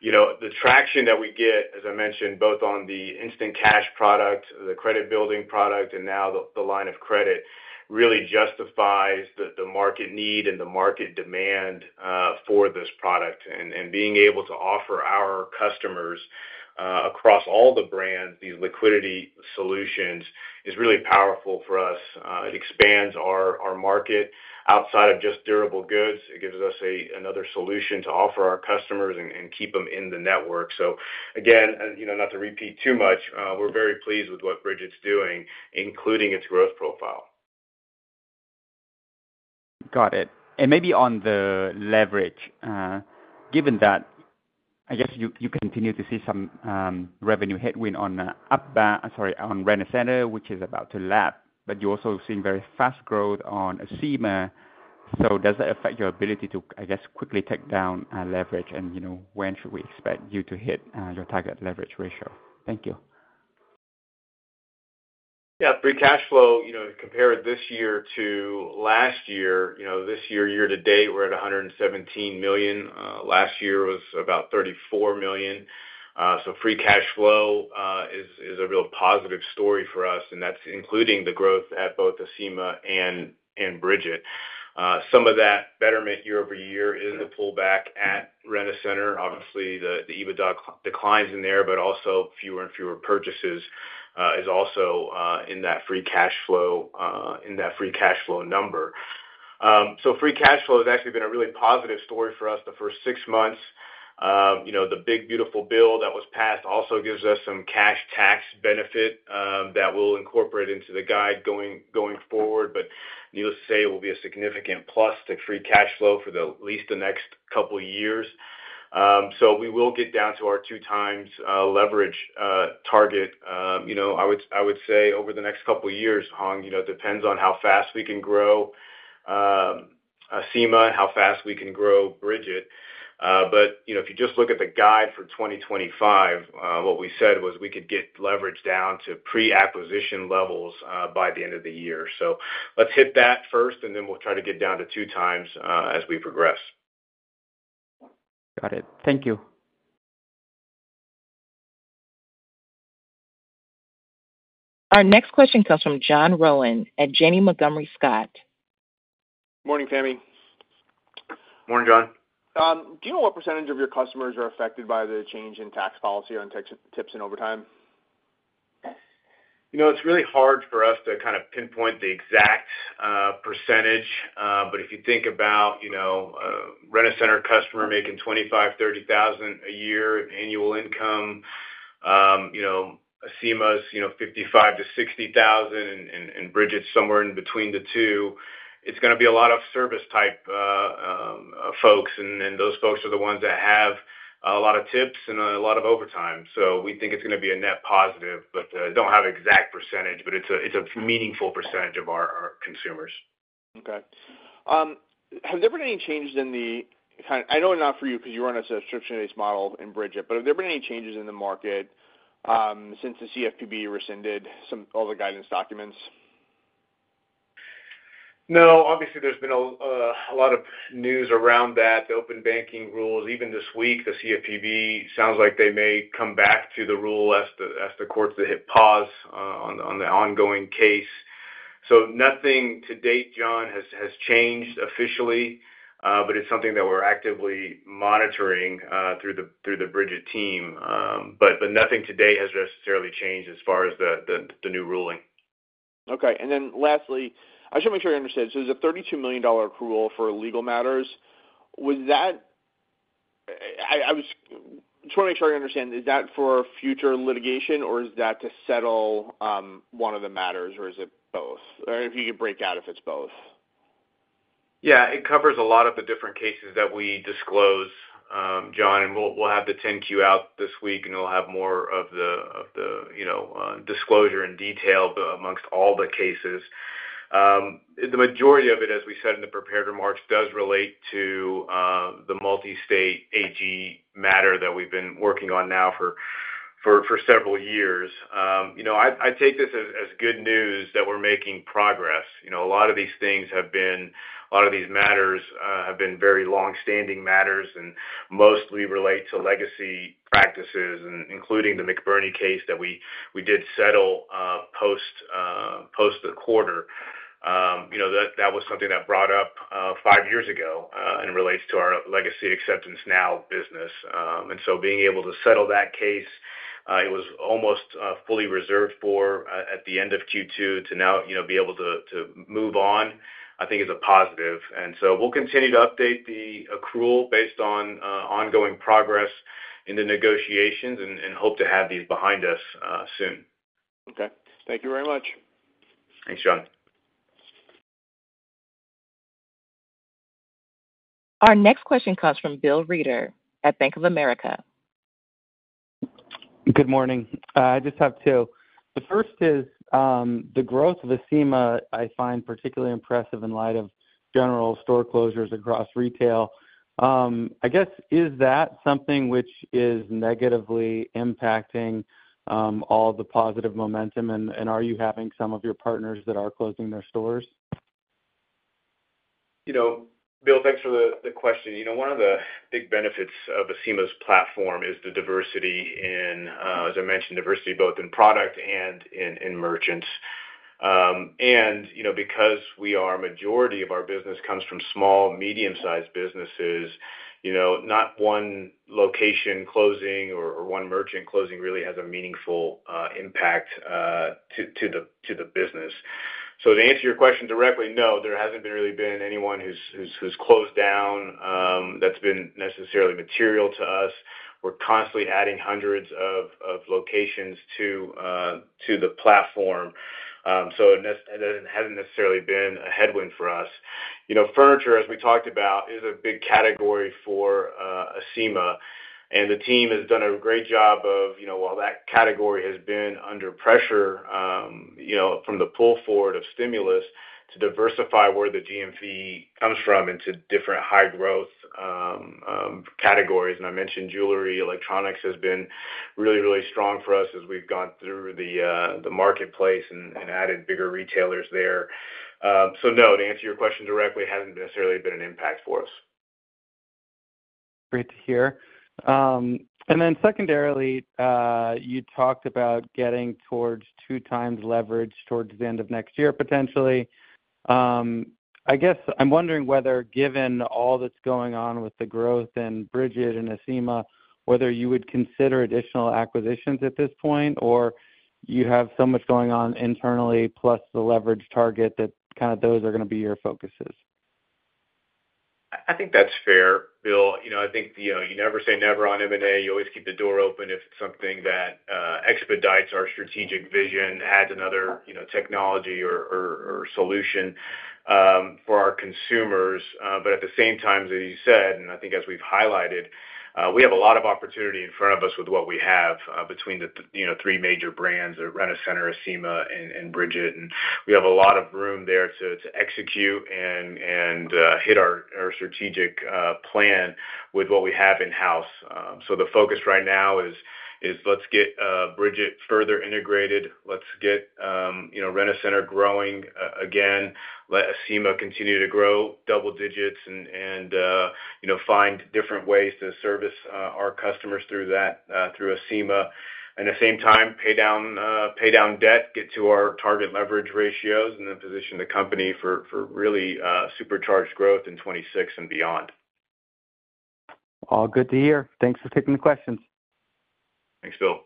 The traction that we get, as I mentioned, both on the instant cash product, the credit building product, and now the line of credit, really justifies the market need and the market demand for this product. Being able to offer our customers across all the brands these liquidity solutions is really powerful for us. It expands our market outside of just durable goods. It gives us another solution to offer our customers and keep them in the network. Not to repeat too much, we're very pleased with what Brigit's doing, including its growth profile. Got it. Maybe on the leverage, given that you continue to see some revenue headwind on, sorry, on Rent-A-Center, which is about to lap, but you're also seeing very fast growth on Acima. Does that affect your ability to quickly take down leverage and when should we expect you to hit your target leverage ratio? Thank you. Yeah, free cash flow. Compare this year to last year. This year, year to date, we're at $117 million. Last year was about $34 million. Free cash flow is a real positive story for us, and that's including the growth at both Acima and Brigit. Some of that betterment year-over-year is the pullback at Rent-A-Center. Obviously, the EBITDA declines in there, but also fewer and fewer purchases is also in that free cash flow number. Free cash flow has actually been a really positive story for us the first six months. The big beautiful bill that was passed also gives us some cash tax benefit that we'll incorporate into the guide going forward. Needless to say, it will be a significant plus to free cash flow for at least the next couple years. We will get down to our two times leverage target. I would say over the next couple years, Hoang, it depends on how fast we can grow Acima and how fast we can grow Brigit. If you just look at the guide for 2025, what we said was we could get leverage down to pre-acquisition levels by the end of the year. Let's hit that first and then we'll try to get down to two times as we progress. Got it. Thank you. Our next question comes from John Rowan at Janney Montgomery Scott. Morning, Fahmi. Morning, John. Do you know what % of your customers are affected by the change in tax policy on tips and overtime? It's really hard for us to kind of pinpoint the exact %. If you think about, you know, Rent-A-Center customer making $24,000, $30,000 a year annual income, you know, Acima's, you know, $55,000-$60,000 and Brigit somewhere in between the two, it's going to be a lot of service type folks and those folks are the ones that have a lot of tips and a lot of overtime. We think it's going to be a net positive but don't have exact %, but it's a meaningful % of our consumers. Okay, have there been any changes in the—I know not for you because you run a subscription-based model in Brigit, but have there been any changes in the market since the CFPB rescinded some all the guidance documents? No. Obviously, there's been a lot of news around that, the open banking rules, even this week the CFPB sounds like they may come back to the rule as the courts hit pause on the ongoing case. Nothing to date, John, has changed officially, but it's something that we're actively monitoring through the Brigit team. Nothing today has necessarily changed as far as the new ruling. Okay. Lastly, I should make sure I understand. So there's a $32 million accrual for legal matters. I was trying to make sure I understand. Is that for future litigation or is that to settle one of the matters or is that both, or if you could break out if it's both? Yeah. It covers a lot of the different cases that we disclose, John. We'll have the 10-Q out this week and we'll have more of the disclosure in detail amongst all the cases. The majority of it, as we said in the prepared remarks, does relate to the multi-state AG matter that we've been working on now for several years. I take this as good news that we're making progress. A lot of these matters have been very long-standing matters and mostly relate to legacy practices, including the McBurnie case that we did settle post the quarter. That was something that was brought up five years ago and relates to our legacy Acceptance Now business. Being able to settle that case, it was almost fully reserved for at the end of Q2 to now be able to move on, I think is a positive. We'll continue to update the accrual based on ongoing progress in the negotiations and hope to have these behind us soon. Okay, thank you very much. Thanks, John. Our next question comes from Bill Reuter at Bank of America.. Good morning. I just have two. The first is the growth of Acima I find particularly impressive in light of general store closures across retail. I guess is that something which is negatively impacting all the positive momentum and are you having some of your partners that are closing their stores? You know, Bill, thanks for the question. One of the big benefits of Acima's platform is the diversity in, as I mentioned, diversity both in product and in merchants. Because the majority of our business comes from small and medium sized businesses, not one location closing or one merchant closing really has a meaningful impact to the business. To answer your question directly, no, there hasn't really been anyone who's closed down that's been necessarily material to us. We're constantly adding hundreds of locations to the platform. It hasn't necessarily been a headwind for us. Furniture, as we talked about, is a big category for Acima and the team has done a great job of, while that category has been under pressure from the pull forward of stimulus, to diversify where the GMV comes from into different high growth categories. I mentioned jewelry, electronics has been really, really strong for us as we've gone through the marketplace and added bigger retailers there. No, to answer your question directly, hasn't necessarily been an impact for us. Great to hear. And then secondarily you talked about getting towards two times leverage towards the end of next year potentially. I guess I'm wondering whether given all that's going on with the growth and Brigit and Acima, whether you would consider additional acquisitions at this point or you have so much going on internally plus the leverage target, that kind of those are going to be your focuses. I think that's fair, Bill. I think you never say never on M&A. You always keep the door open if it's something that expedites our strategic vision, adds another technology or solution for our consumers. At the same time, as you said, and I think as we've highlighted, we have a lot of opportunity in front of us with what we have between the three major brands, Rent-A-Center, Acima and Brigit. We have a lot of room there to execute and hit our strategic plan with what we have in house. The focus right now is let's get Brigit further integrated. Let's get Rent-A-Center growing again. Let Acima continue to grow double digits and find different ways to service our customers through Acima and at the same time pay down debt, get to our target leverage ratios and then position the company for really supercharged growth in 2026 and beyond. All good to hear. Thanks for taking the questions. Thanks, Bill.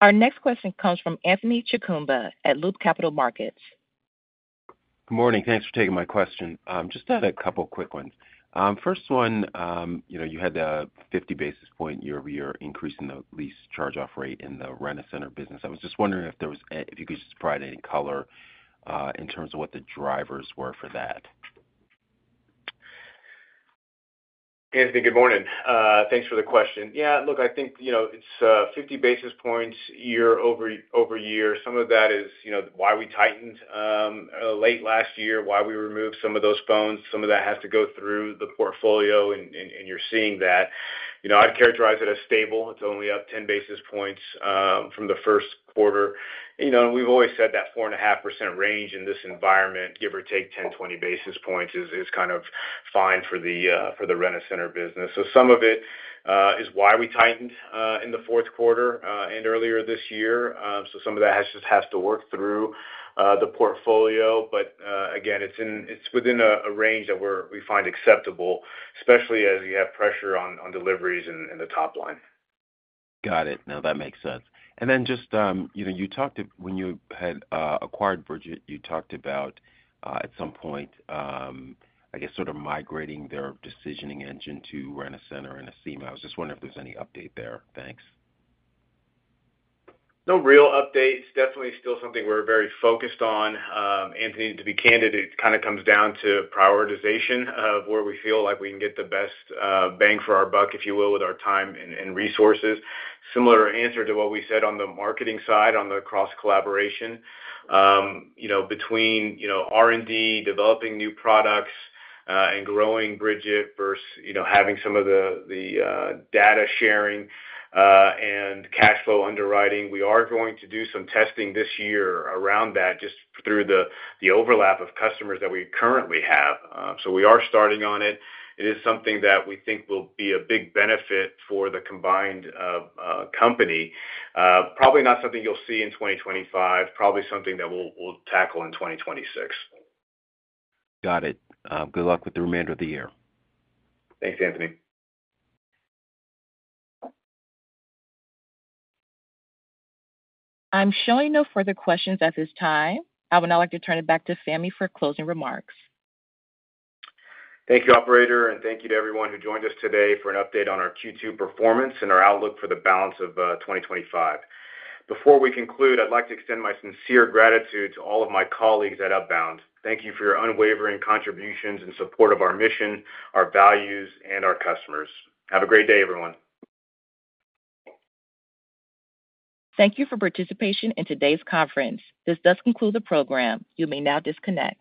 Our next question comes from Anthony Chukumba at Loop Capital Markets. Good morning. Thanks for taking my question. Just had a couple quick ones. First one, you know you had a 50 basis point year-over-year increase in the lease charge-off rate in the Rent-A-Center business. I was just wondering if there was, if you could just provide any color in terms of what the drivers were for that. Anthony, good morning. Thanks for the question. Yeah, look, I think you know, it's 50 basis points year-over-year. Some of that is, you know, why we tightened late last year, why we removed some of those phones. Some of that has to go through the portfolio and you're seeing that. I'd characterize it as stable. It's only up 10 basis points from the first quarter. We've always said that 4.5% range in this environment, give or take 10-20 basis points, is kind of fine for the Rent-A-Center business. Some of it is why we tightened in the fourth quarter and earlier this year. Some of that just has to work through the portfolio. Again, it's within a range that we find acceptable, especially as you have pressure on deliveries and the top line. Got it. Now that makes sense. Then just, you know, you talked when you had acquired Brigit, you talked about at some point, I guess sort of migrating their decisioning engine to Rent-A-Center and Acima. I was just wondering if there's any update there. Thanks. No real update. It's definitely still something we're very focused on. Anthony, to be candid, it kind of comes down to prioritization of where we feel like we can get the best bang for our buck, if you will, with our time and resources. Similar answer to what we said on the marketing side on the cross collaboration, you know, between, you know, R&D, developing new products and growing Brigit versus, you know, having some of the data sharing and cash flow underwriting. We are going to do some testing this year around that, just through the overlap of customers that we currently have. We are starting on it. It is something that we think will be a big benefit for the combined company. Probably not something you'll see in 2025. Probably something that we'll tackle in 2026. Got it. Good luck with the remainder of the year. Thanks, Anthony. I'm showing no further questions at this time. I would now like to turn it back to Fahmi. for closing remarks. Thank you, operator. Thank you to everyone who joined us today for an update on our Q2 performance and our outlook for the balance of 2025. Before we conclude, I'd like to extend my sincere gratitude to all of my colleagues at Upbound. Thank you for your unwavering contributions and support of our mission, our values, and our customers. Have a great day, everyone. Thank you for participating in today's conference. This does conclude the program. You may now disconnect.